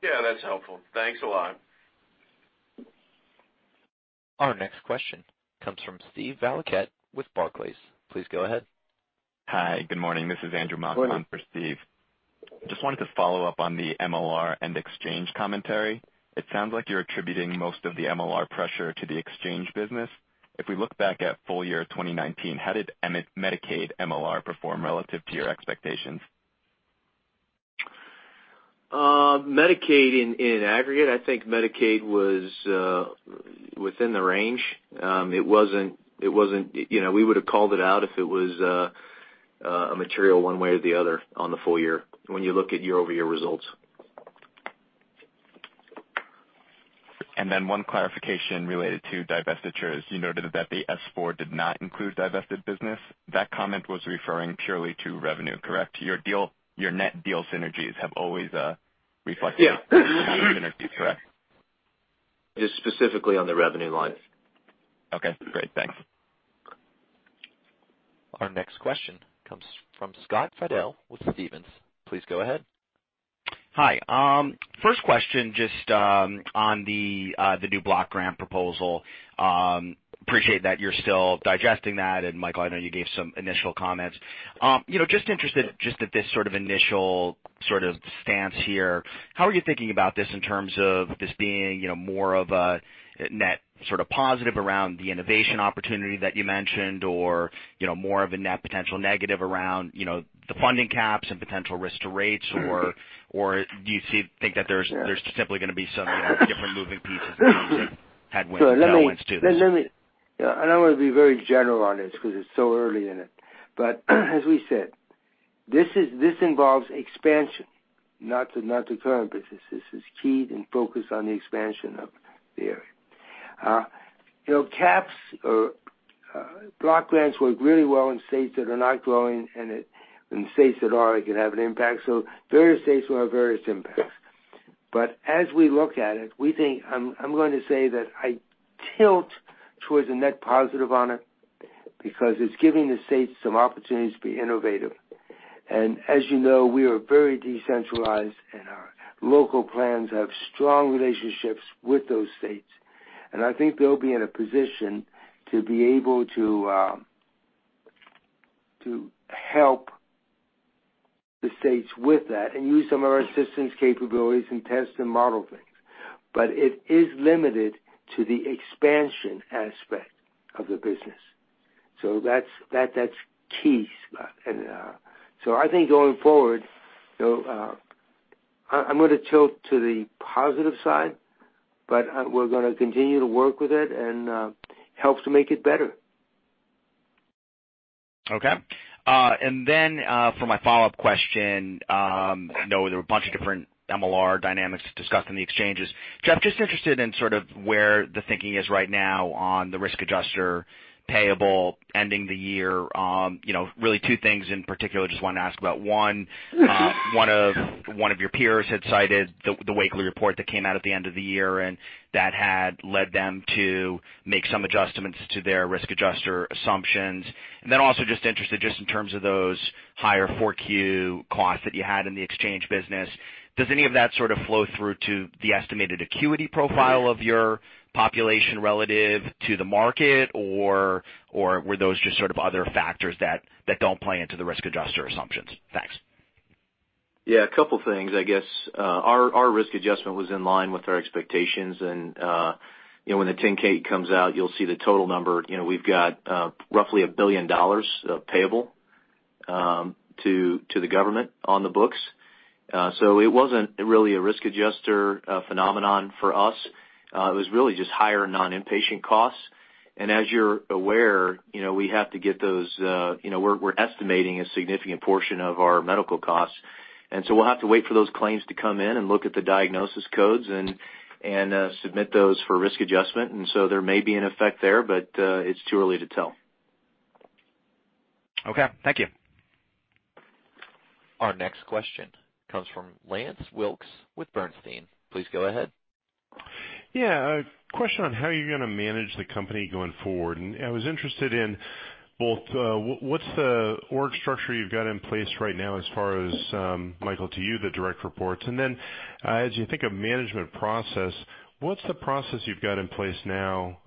Yeah, that's helpful. Thanks a lot. Our next question comes from Steve Valiquette with Barclays. Please go ahead. Hi, good morning. This is Andrew McLaughlin. Go ahead. -for Steve. Just wanted to follow up on the MLR and exchange commentary. It sounds like you're attributing most of the MLR pressure to the exchange business. If we look back at full year 2019, how did Medicaid MLR perform relative to your expectations? Medicaid in aggregate, I think Medicaid was within the range. We would have called it out if it was a material one way or the other on the full year, when you look at year-over-year results. Then one clarification related to divestitures. You noted that the S-4 did not include divested business. That comment was referring purely to revenue, correct? Your net deal synergies have always reflected. Yeah synergies, correct? Just specifically on the revenue line. Okay, great. Thanks. Our next question comes from Scott Fidel with Stephens. Please go ahead. Hi. First question, just on the new block grant proposal. Appreciate that you're still digesting that, and Michael, I know you gave some initial comments. Just interested, just at this sort of initial sort of stance here, how are you thinking about this in terms of this being more of a net sort of positive around the innovation opportunity that you mentioned or more of a net potential negative around the funding caps and potential risk to rates? Or do you think that there's simply going to be some different moving pieces and things that had wins, no wins to this? Yeah, I want to be very general on this because it's so early in it. As we said, this involves expansion, not the current business. This is keyed and focused on the expansion of the area. CAPs or block grants work really well in states that are not growing, and in states that are, it can have an impact. Various states will have various impacts. As we look at it, I'm going to say that I tilt towards a net positive on it because it's giving the states some opportunities to be innovative. As you know, we are very decentralized, and our local plans have strong relationships with those states. I think they'll be in a position to be able to help the states with that and use some of our assistance capabilities and test and model things. It is limited to the expansion aspect of the business. That's key, Scott. I think going forward, I'm going to tilt to the positive side, but we're going to continue to work with it and help to make it better. Okay. For my follow-up question, I know there were a bunch of different MLR dynamics discussed in the exchanges. Jeff, just interested in sort of where the thinking is right now on the risk adjuster payable ending the year. Really two things in particular, just wanted to ask about. One, one of your peers had cited the Wakely report that came out at the end of the year, that had led them to make some adjustments to their risk adjuster assumptions. Also just interested just in terms of those higher 4Q costs that you had in the exchange business. Does any of that sort of flow through to the estimated acuity profile of your population relative to the market? Were those just sort of other factors that don't play into the risk adjuster assumptions? Thanks. A couple things, I guess. Our risk adjustment was in line with our expectations, and when the 10-K comes out, you'll see the total number. We've got roughly $1 billion of payable to the government on the books. It wasn't really a risk adjustment phenomenon for us. It was really just higher non-inpatient costs. As you're aware, we're estimating a significant portion of our medical costs. We'll have to wait for those claims to come in and look at the diagnosis codes and submit those for risk adjustment. There may be an effect there, but it's too early to tell. Okay. Thank you. Our next question comes from Lance Wilkes with Bernstein. Please go ahead. Yeah. A question on how you're going to manage the company going forward. I was interested in both, what's the org structure you've got in place right now as far as, Michael, to you, the direct reports? As you think of management process, what's the process you've got in place now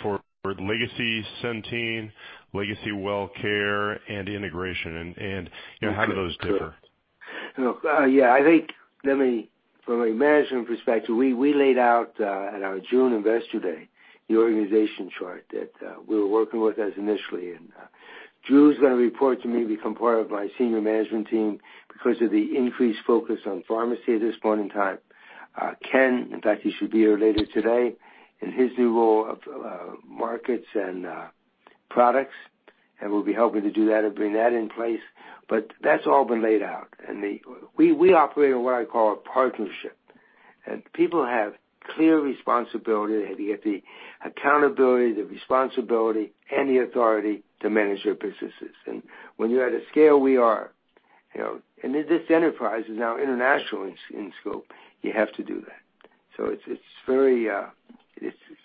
for legacy Centene, legacy WellCare, and the integration? How do those differ? Yeah. I think, from a management perspective, we laid out, at our June investor day, the organization chart that we were working with as initially. Drew's going to report to me, become part of my senior management team because of the increased focus on pharmacy at this point in time. Ken, in fact, he should be here later today, in his new role of markets and products, and will be helping to do that and bring that in place. That's all been laid out, and we operate on what I call a partnership. People have clear responsibility. They have the accountability, the responsibility, and the authority to manage their businesses. When you're at a scale we are, and this enterprise is now international in scope, you have to do that.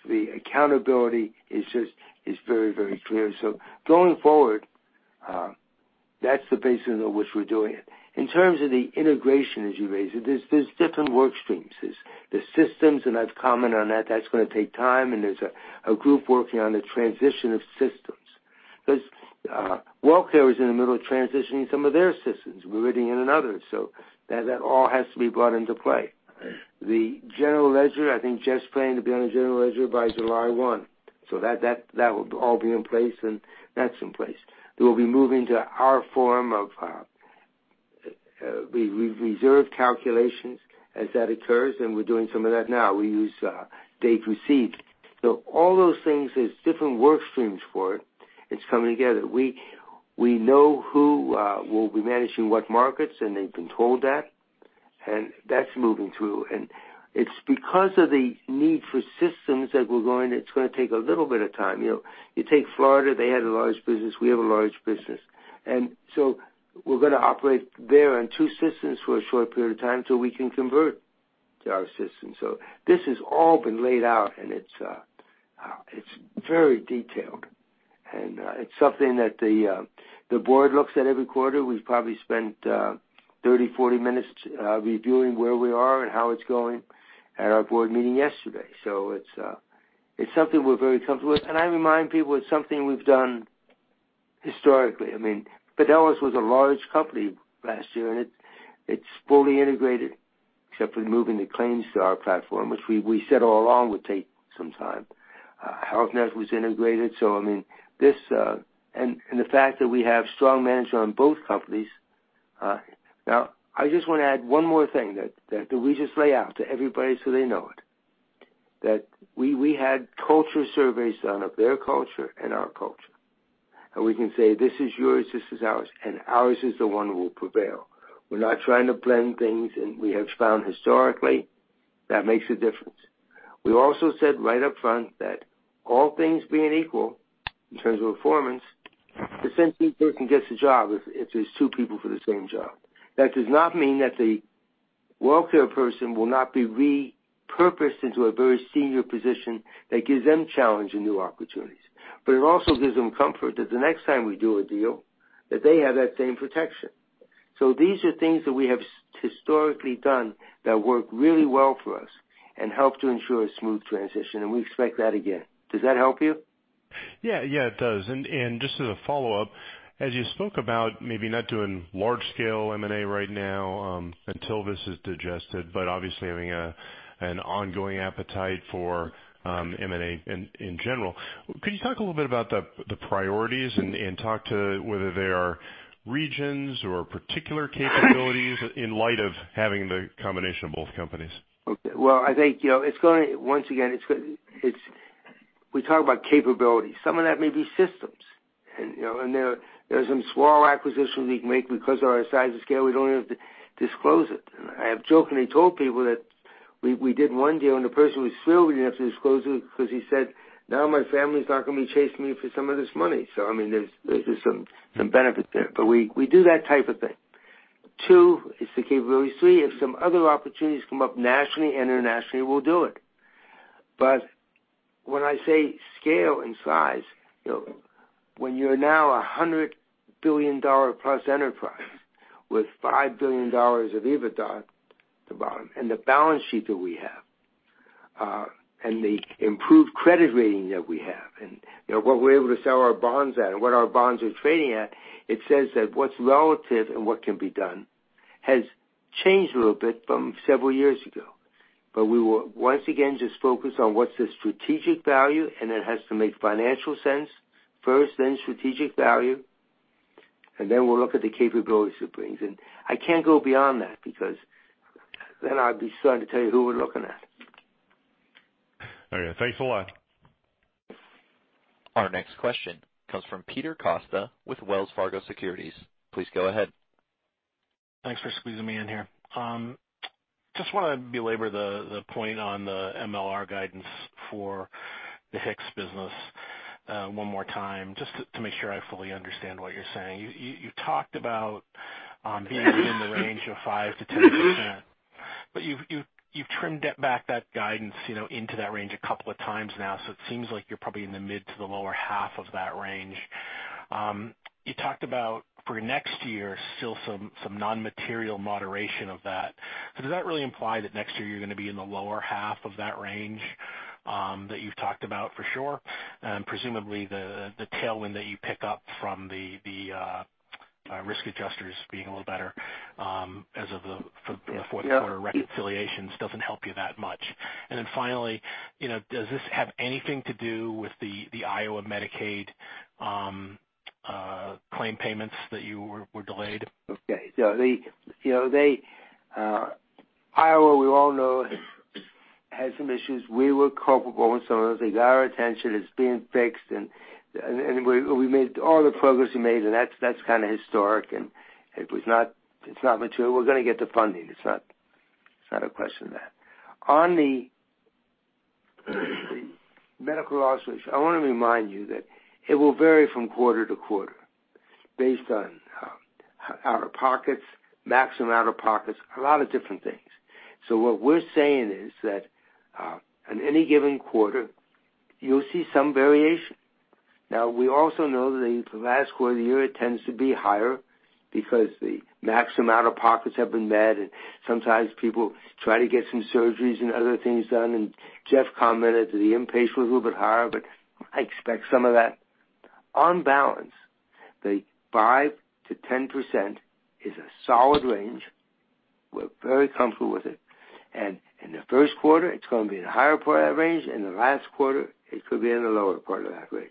The accountability is very clear. Going forward, that's the basis of which we're doing it. In terms of the integration, as you raise it, there's different work streams. There's systems, and I've commented on that. That's going to take time, and there's a group working on the transition of systems. WellCare is in the middle of transitioning some of their systems. We're leading in another. That all has to be brought into play. The general ledger, I think Jeff's planning to be on the general ledger by July 1. That will all be in place, and that's in place. We will be moving to our form of reserve calculations as that occurs, and we're doing some of that now. We use date received. All those things, there's different work streams for it. It's coming together. We know who will be managing what markets, and they've been told that, and that's moving through. It's because of the need for systems that it's going to take a little bit of time. You take Florida, they had a large business. We have a large business. We're going to operate there on two systems for a short period of time till we can convert to our system. This has all been laid out, and it's very detailed. It's something that the board looks at every quarter. We've probably spent 30, 40 minutes reviewing where we are and how it's going at our board meeting yesterday. It's something we're very comfortable with, and I remind people it's something we've done historically. Fidelis was a large company last year. It's fully integrated, except for moving the claims to our platform, which we said all along would take some time. Health Net was integrated. I just want to add one more thing that we just lay out to everybody so they know it, that we had culture surveys done of their culture and our culture. We can say, "This is yours, this is ours, and ours is the one who will prevail." We're not trying to blend things, and we have found historically that makes a difference. We also said right up front that all things being equal in terms of performance, the Centene person gets the job if there's two people for the same job. That does not mean that the WellCare person will not be repurposed into a very senior position that gives them challenge and new opportunities. It also gives them comfort that the next time we do a deal, that they have that same protection. These are things that we have historically done that work really well for us and help to ensure a smooth transition, and we expect that again. Does that help you? Yeah, it does. Just as a follow-up, as you spoke about maybe not doing large-scale M&A right now until this is digested, but obviously having an ongoing appetite for M&A in general, could you talk a little bit about the priorities and talk to whether they are regions or particular capabilities in light of having the combination of both companies? Okay. Well, I think, once again, we talk about capabilities. Some of that may be systems. There are some small acquisitions we can make because of our size and scale, we don't have to disclose it. I have jokingly told people that we did one deal, and the person was thrilled we didn't have to disclose it because he said, "Now my family's not going to be chasing me for some of this money." There's some benefit there, but we do that type of thing. Two, it's the capabilities. Three, if some other opportunities come up nationally, internationally, we'll do it. When I say scale and size, when you're now a $100 billion plus enterprise with $5 billion of EBITDA at the bottom, and the balance sheet that we have, and the improved credit rating that we have, and what we're able to sell our bonds at, and what our bonds are trading at, it says that what's relative and what can be done has changed a little bit from several years ago. We will once again just focus on what's the strategic value, and it has to make financial sense first, then strategic value, and then we'll look at the capabilities it brings in. I can't go beyond that because then I'd be starting to tell you who we're looking at. Okay. Thanks a lot. Our next question comes from Peter Costa with Wells Fargo Securities. Please go ahead. Thanks for squeezing me in here. I want to belabor the point on the MLR guidance for the HIX business one more time just to make sure I fully understand what you're saying. You talked about being in the range of 5%-10%, you've trimmed back that guidance into that range a couple of times now, it seems like you're probably in the mid to the lower half of that range. You talked about for next year, still some non-material moderation of that. Does that really imply that next year you're going to be in the lower half of that range that you've talked about for sure? Presumably the tailwind that you pick up from the risk adjusters being a little better as of the fourth quarter reconciliations doesn't help you that much. Finally, does this have anything to do with the Iowa Medicaid claim payments that were delayed? Iowa, we all know, had some issues. We were culpable in some of those things. Our attention is being fixed, and all the progress we made, and that's kind of historic, and it's not material. We're going to get the funding. It's not a question of that. On the medical losses, I want to remind you that it will vary from quarter to quarter based on out-of-pockets, maximum out-of-pockets, a lot of different things. What we're saying is that in any given quarter, you'll see some variation. We also know that the last quarter of the year, it tends to be higher because the maximum out-of-pockets have been met, and sometimes people try to get some surgeries and other things done. Jeff commented that the inpatient was a little bit higher, but I expect some of that. On balance, the 5% to 10% is a solid range. We're very comfortable with it. In the first quarter, it's going to be in the higher part of that range. In the last quarter, it could be in the lower part of that range.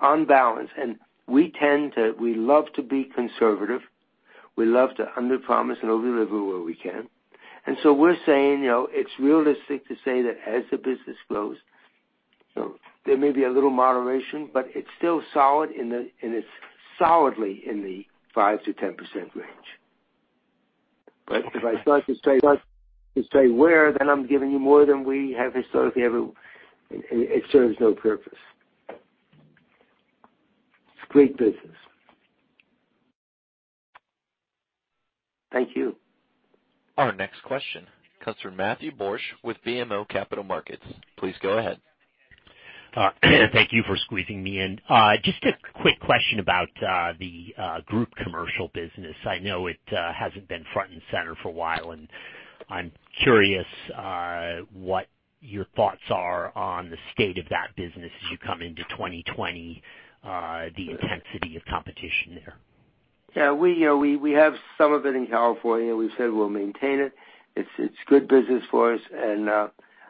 On balance, and we love to be conservative. We love to underpromise and overdeliver where we can. We're saying, it's realistic to say that as the business grows, there may be a little moderation, but it's still solid and it's solidly in the 5% to 10% range. If I start to say where, then I'm giving you more than we have historically, and it serves no purpose. It's a great business. Thank you. Our next question comes from Matthew Borsch with BMO Capital Markets. Please go ahead. Thank you for squeezing me in. Just a quick question about the group commercial business. I know it hasn't been front and center for a while, and I'm curious what your thoughts are on the state of that business as you come into 2020, the intensity of competition there. Yeah. We have some of it in California. We've said we'll maintain it. It's good business for us.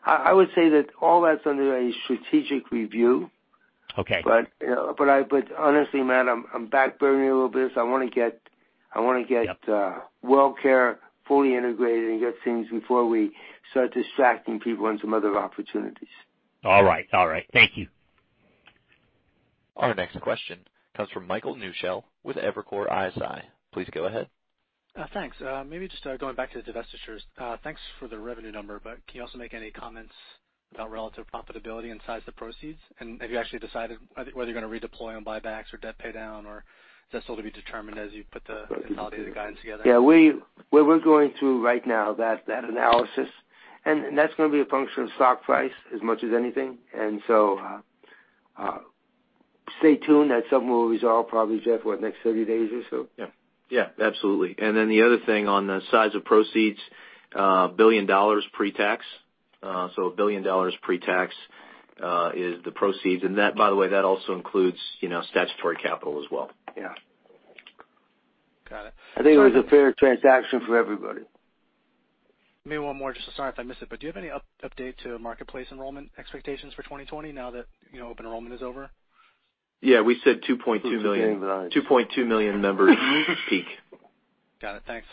I would say that all that's under a strategic review. Okay. Honestly, Matt, I'm backburning a little bit. Yep WellCare fully integrated and get things before we start distracting people on some other opportunities. All right. Thank you. Our next question comes from Michael Newshel with Evercore ISI. Please go ahead. Thanks. Maybe just going back to the divestitures. Thanks for the revenue number, can you also make any comments about relative profitability and size of proceeds? Have you actually decided whether you're going to redeploy on buybacks or debt pay down, or is that still to be determined as you put the consolidated guidance together? Yeah. We're going through right now that analysis. That's going to be a function of stock price as much as anything. Stay tuned. That sum will resolve probably, Jeff, what, next 30 days or so? Yeah. Absolutely. Then the other thing on the size of proceeds, $1 billion pre-tax. $1 billion pre-tax is the proceeds. That, by the way, that also includes statutory capital as well. Yeah. Got it. I think it was a fair transaction for everybody. Maybe one more, just sorry if I missed it, but do you have any update to Marketplace enrollment expectations for 2020 now that open enrollment is over? Yeah. We said 2.2 million members peak. Got it. Thanks.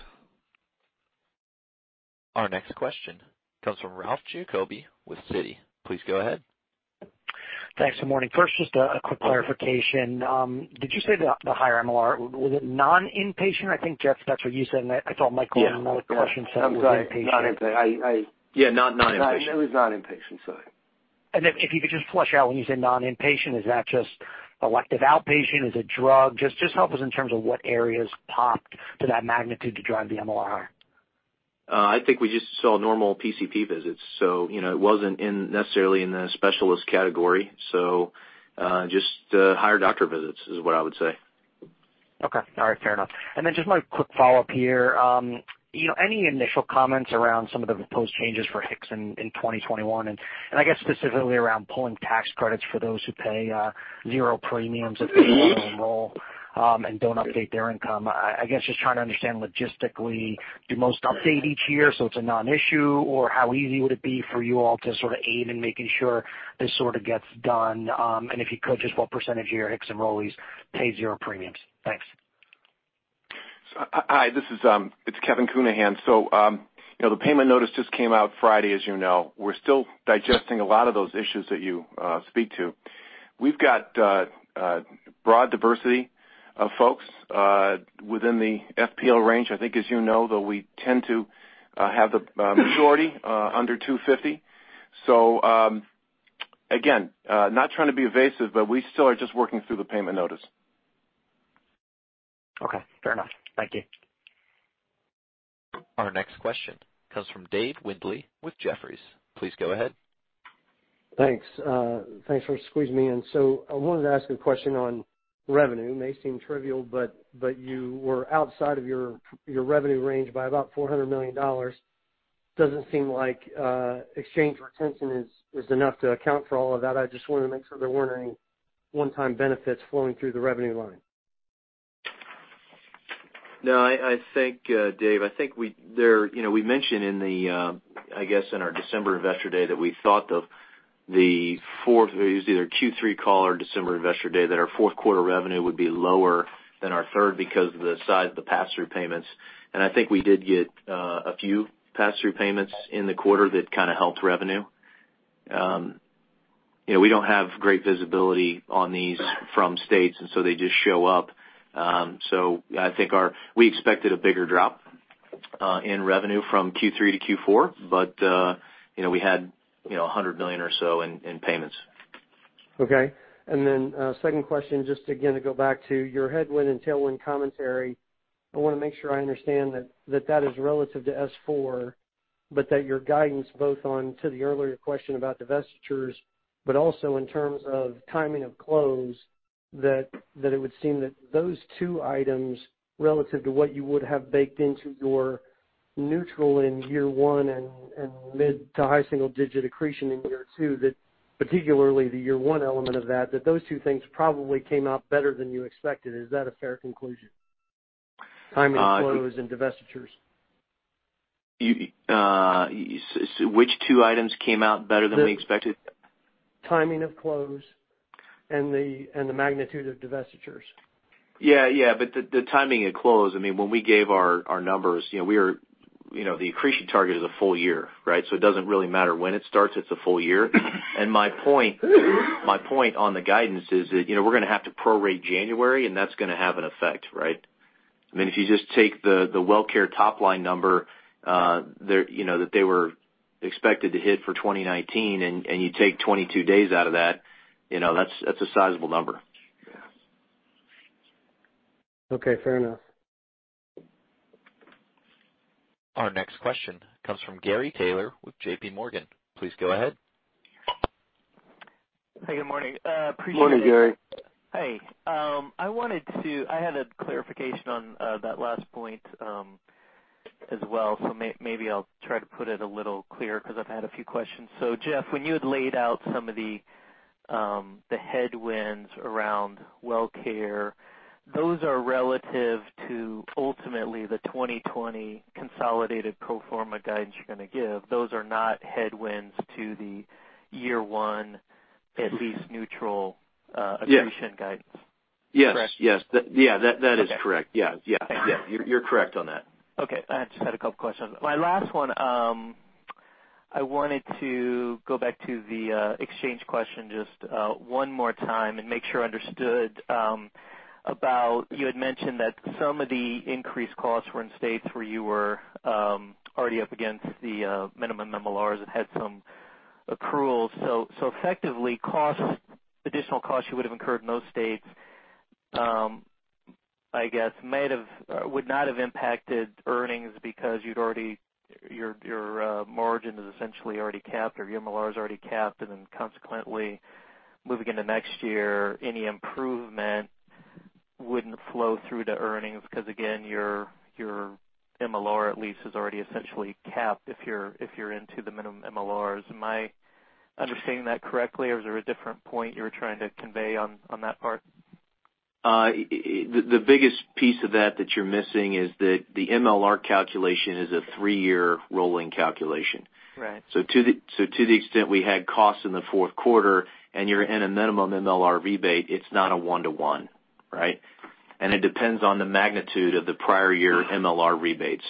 Our next question comes from Ralph Giacobbe with Citi. Please go ahead. Thanks, good morning. First, just a quick clarification. Did you say the higher MLR, was it non-inpatient? I think, Jeff, that's what you said. Yeah in another question said it was inpatient. I'm sorry. Non-inpatient. Yeah, non-inpatient. It was non-inpatient, sorry. If you could just flesh out when you say non-inpatient, is that just elective outpatient? Is it drug? Just help us in terms of what areas popped to that magnitude to drive the MLR. I think we just saw normal PCP visits, it wasn't necessarily in the specialist category. Just higher doctor visits is what I would say. Okay. All right, fair enough. Then just my quick follow-up here. Any initial comments around some of the proposed changes for HIX in 2021, and I guess specifically around pulling tax credits for those who pay zero premiums if they want to enroll and don't update their income. I guess just trying to understand logistically, do most update each year, so it's a non-issue, or how easy would it be for you all to aim in making sure this sort of gets done? If you could, just what percentage of your HIX enrollees pay zero premiums? Thanks. Hi, it's Kevin Counihan. The payment notice just came out Friday, as you know. We're still digesting a lot of those issues that you speak to. We've got broad diversity of folks within the FPL range. I think as you know, though, we tend to have the majority under 250. Again, not trying to be evasive, but we still are just working through the payment notice. Okay, fair enough. Thank you. Our next question comes from Dave Windley with Jefferies. Please go ahead. Thanks. Thanks for squeezing me in. I wanted to ask a question on revenue. It may seem trivial, but you were outside of your revenue range by about $400 million. Doesn't seem like exchange retention is enough to account for all of that. I just want to make sure there weren't any one-time benefits flowing through the revenue line. No, Dave, I think we mentioned, I guess, in our December investor day that we thought of the fourth, it was either Q3 call or December investor day, that our fourth quarter revenue would be lower than our third because of the size of the pass-through payments. I think we did get a few pass-through payments in the quarter that kind of helped revenue. We don't have great visibility on these from states, and so they just show up. I think we expected a bigger drop in revenue from Q3 to Q4, but we had $100 million or so in payments. Okay. Second question, just again, to go back to your headwind and tailwind commentary. I want to make sure I understand that that is relative to S-4, but that your guidance both on to the earlier question about divestitures, but also in terms of timing of close, that it would seem that those two items, relative to what you would have baked into your neutral in year one and mid to high single-digit accretion in year two, that particularly the year one element of that those two things probably came out better than you expected. Is that a fair conclusion? Timing of close and divestitures. Which two items came out better than we expected? Timing of close and the magnitude of divestitures. Yeah. The timing of close, when we gave our numbers, the accretion target is a full year, right? It doesn't really matter when it starts, it's a full year. My point on the guidance is that we're going to have to prorate January, and that's going to have an effect, right? If you just take the WellCare top-line number that they were expected to hit for 2019, and you take 22 days out of that's a sizable number. Okay, fair enough. Our next question comes from Gary Taylor with J.P. Morgan. Please go ahead. Hey, good morning. Appreciate it. Morning, Gary. Hey. I had a clarification on that last point as well, so maybe I'll try to put it a little clearer because I've had a few questions. Jeff, when you had laid out some of the headwinds around WellCare. Those are relative to ultimately the 2020 consolidated pro forma guidance you're going to give. Those are not headwinds to the year one. Yes accretion guidance. Yes. Correct? Yes. That is correct. Okay. Yes. You're correct on that. Okay. I just had a couple questions. My last one, I wanted to go back to the exchange question just one more time and make sure I understood about, you had mentioned that some of the increased costs were in states where you were already up against the minimum MLRs and had some accruals. Effectively, additional costs you would have incurred in those states, I guess, would not have impacted earnings because your margin is essentially already capped or your MLR is already capped, and then consequently, moving into next year, any improvement wouldn't flow through to earnings because, again, your MLR at least is already essentially capped if you're into the minimum MLRs. Am I understanding that correctly, or is there a different point you were trying to convey on that part? The biggest piece of that that you're missing is that the MLR calculation is a three-year rolling calculation. Right. To the extent we had costs in the fourth quarter and you're in a minimum MLR rebate, it's not a one-to-one, right? It depends on the magnitude of the prior year MLR rebates.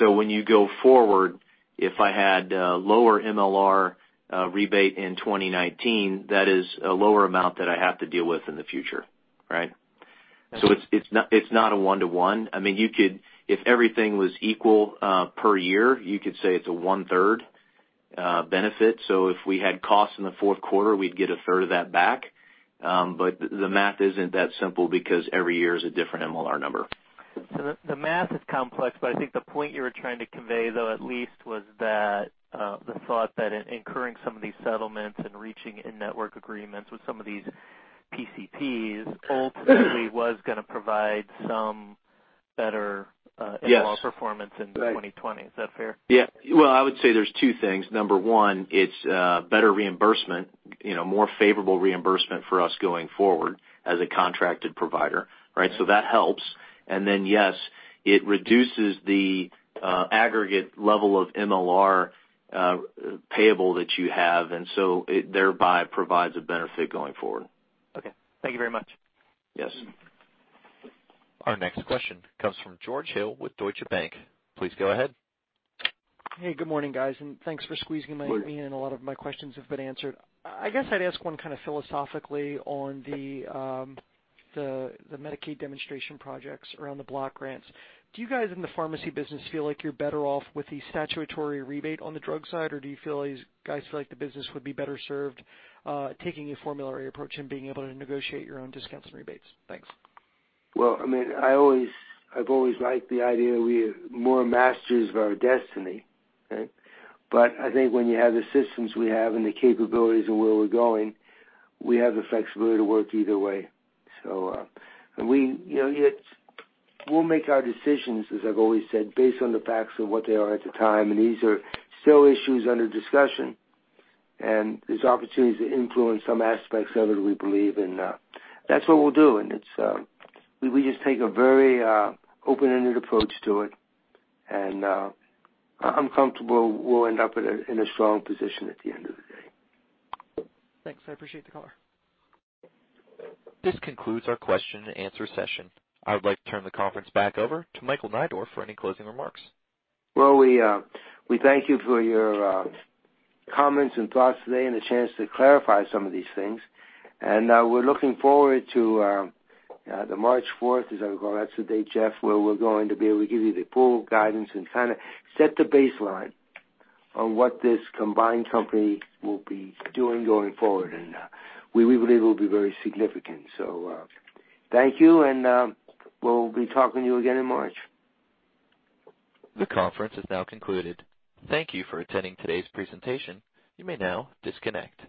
When you go forward, if I had a lower MLR rebate in 2019, that is a lower amount that I have to deal with in the future, right? Okay. It's not a 1-to-1. If everything was equal, per year, you could say it's a one-third benefit. If we had costs in the fourth quarter, we'd get a third of that back. The math isn't that simple because every year is a different MLR number. The math is complex, but I think the point you were trying to convey, though, at least, was that the thought that in incurring some of these settlements and reaching in-network agreements with some of these PCPs ultimately was going to provide some better-. Yes MLR performance in 2020. Is that fair? Yeah. Well, I would say there's two things. Number one, it's better reimbursement, more favorable reimbursement for us going forward as a contracted provider, right? That helps. Yes, it reduces the aggregate level of MLR payable that you have. It thereby provides a benefit going forward. Okay. Thank you very much. Yes. Our next question comes from George Hill with Deutsche Bank. Please go ahead. Hey, good morning, guys, and thanks for squeezing me in. A lot of my questions have been answered. I guess I'd ask one kind of philosophically on the Medicaid demonstration projects around the block grants. Do you guys in the pharmacy business feel like you're better off with the statutory rebate on the drug side, or do you feel like the business would be better served, taking a formulary approach and being able to negotiate your own discounts and rebates? Thanks. Well, I've always liked the idea that we are more masters of our destiny, right? I think when you have the systems we have and the capabilities of where we're going, we have the flexibility to work either way. We'll make our decisions, as I've always said, based on the facts of what they are at the time, and these are still issues under discussion, and there's opportunities to influence some aspects of it, we believe, and that's what we'll do. We just take a very open-ended approach to it, and I'm comfortable we'll end up in a strong position at the end of the day. Thanks. I appreciate the color. This concludes our question and answer session. I would like to turn the conference back over to Michael Neidorff for any closing remarks. Well, we thank you for your comments and thoughts today and the chance to clarify some of these things. We're looking forward to the March 4th, is that correct? That's the date, Jeff, where we're going to be able to give you the full guidance and kind of set the baseline on what this combined company will be doing going forward. We believe it'll be very significant. Thank you, and we'll be talking to you again in March. The conference has now concluded. Thank you for attending today's presentation. You may now disconnect.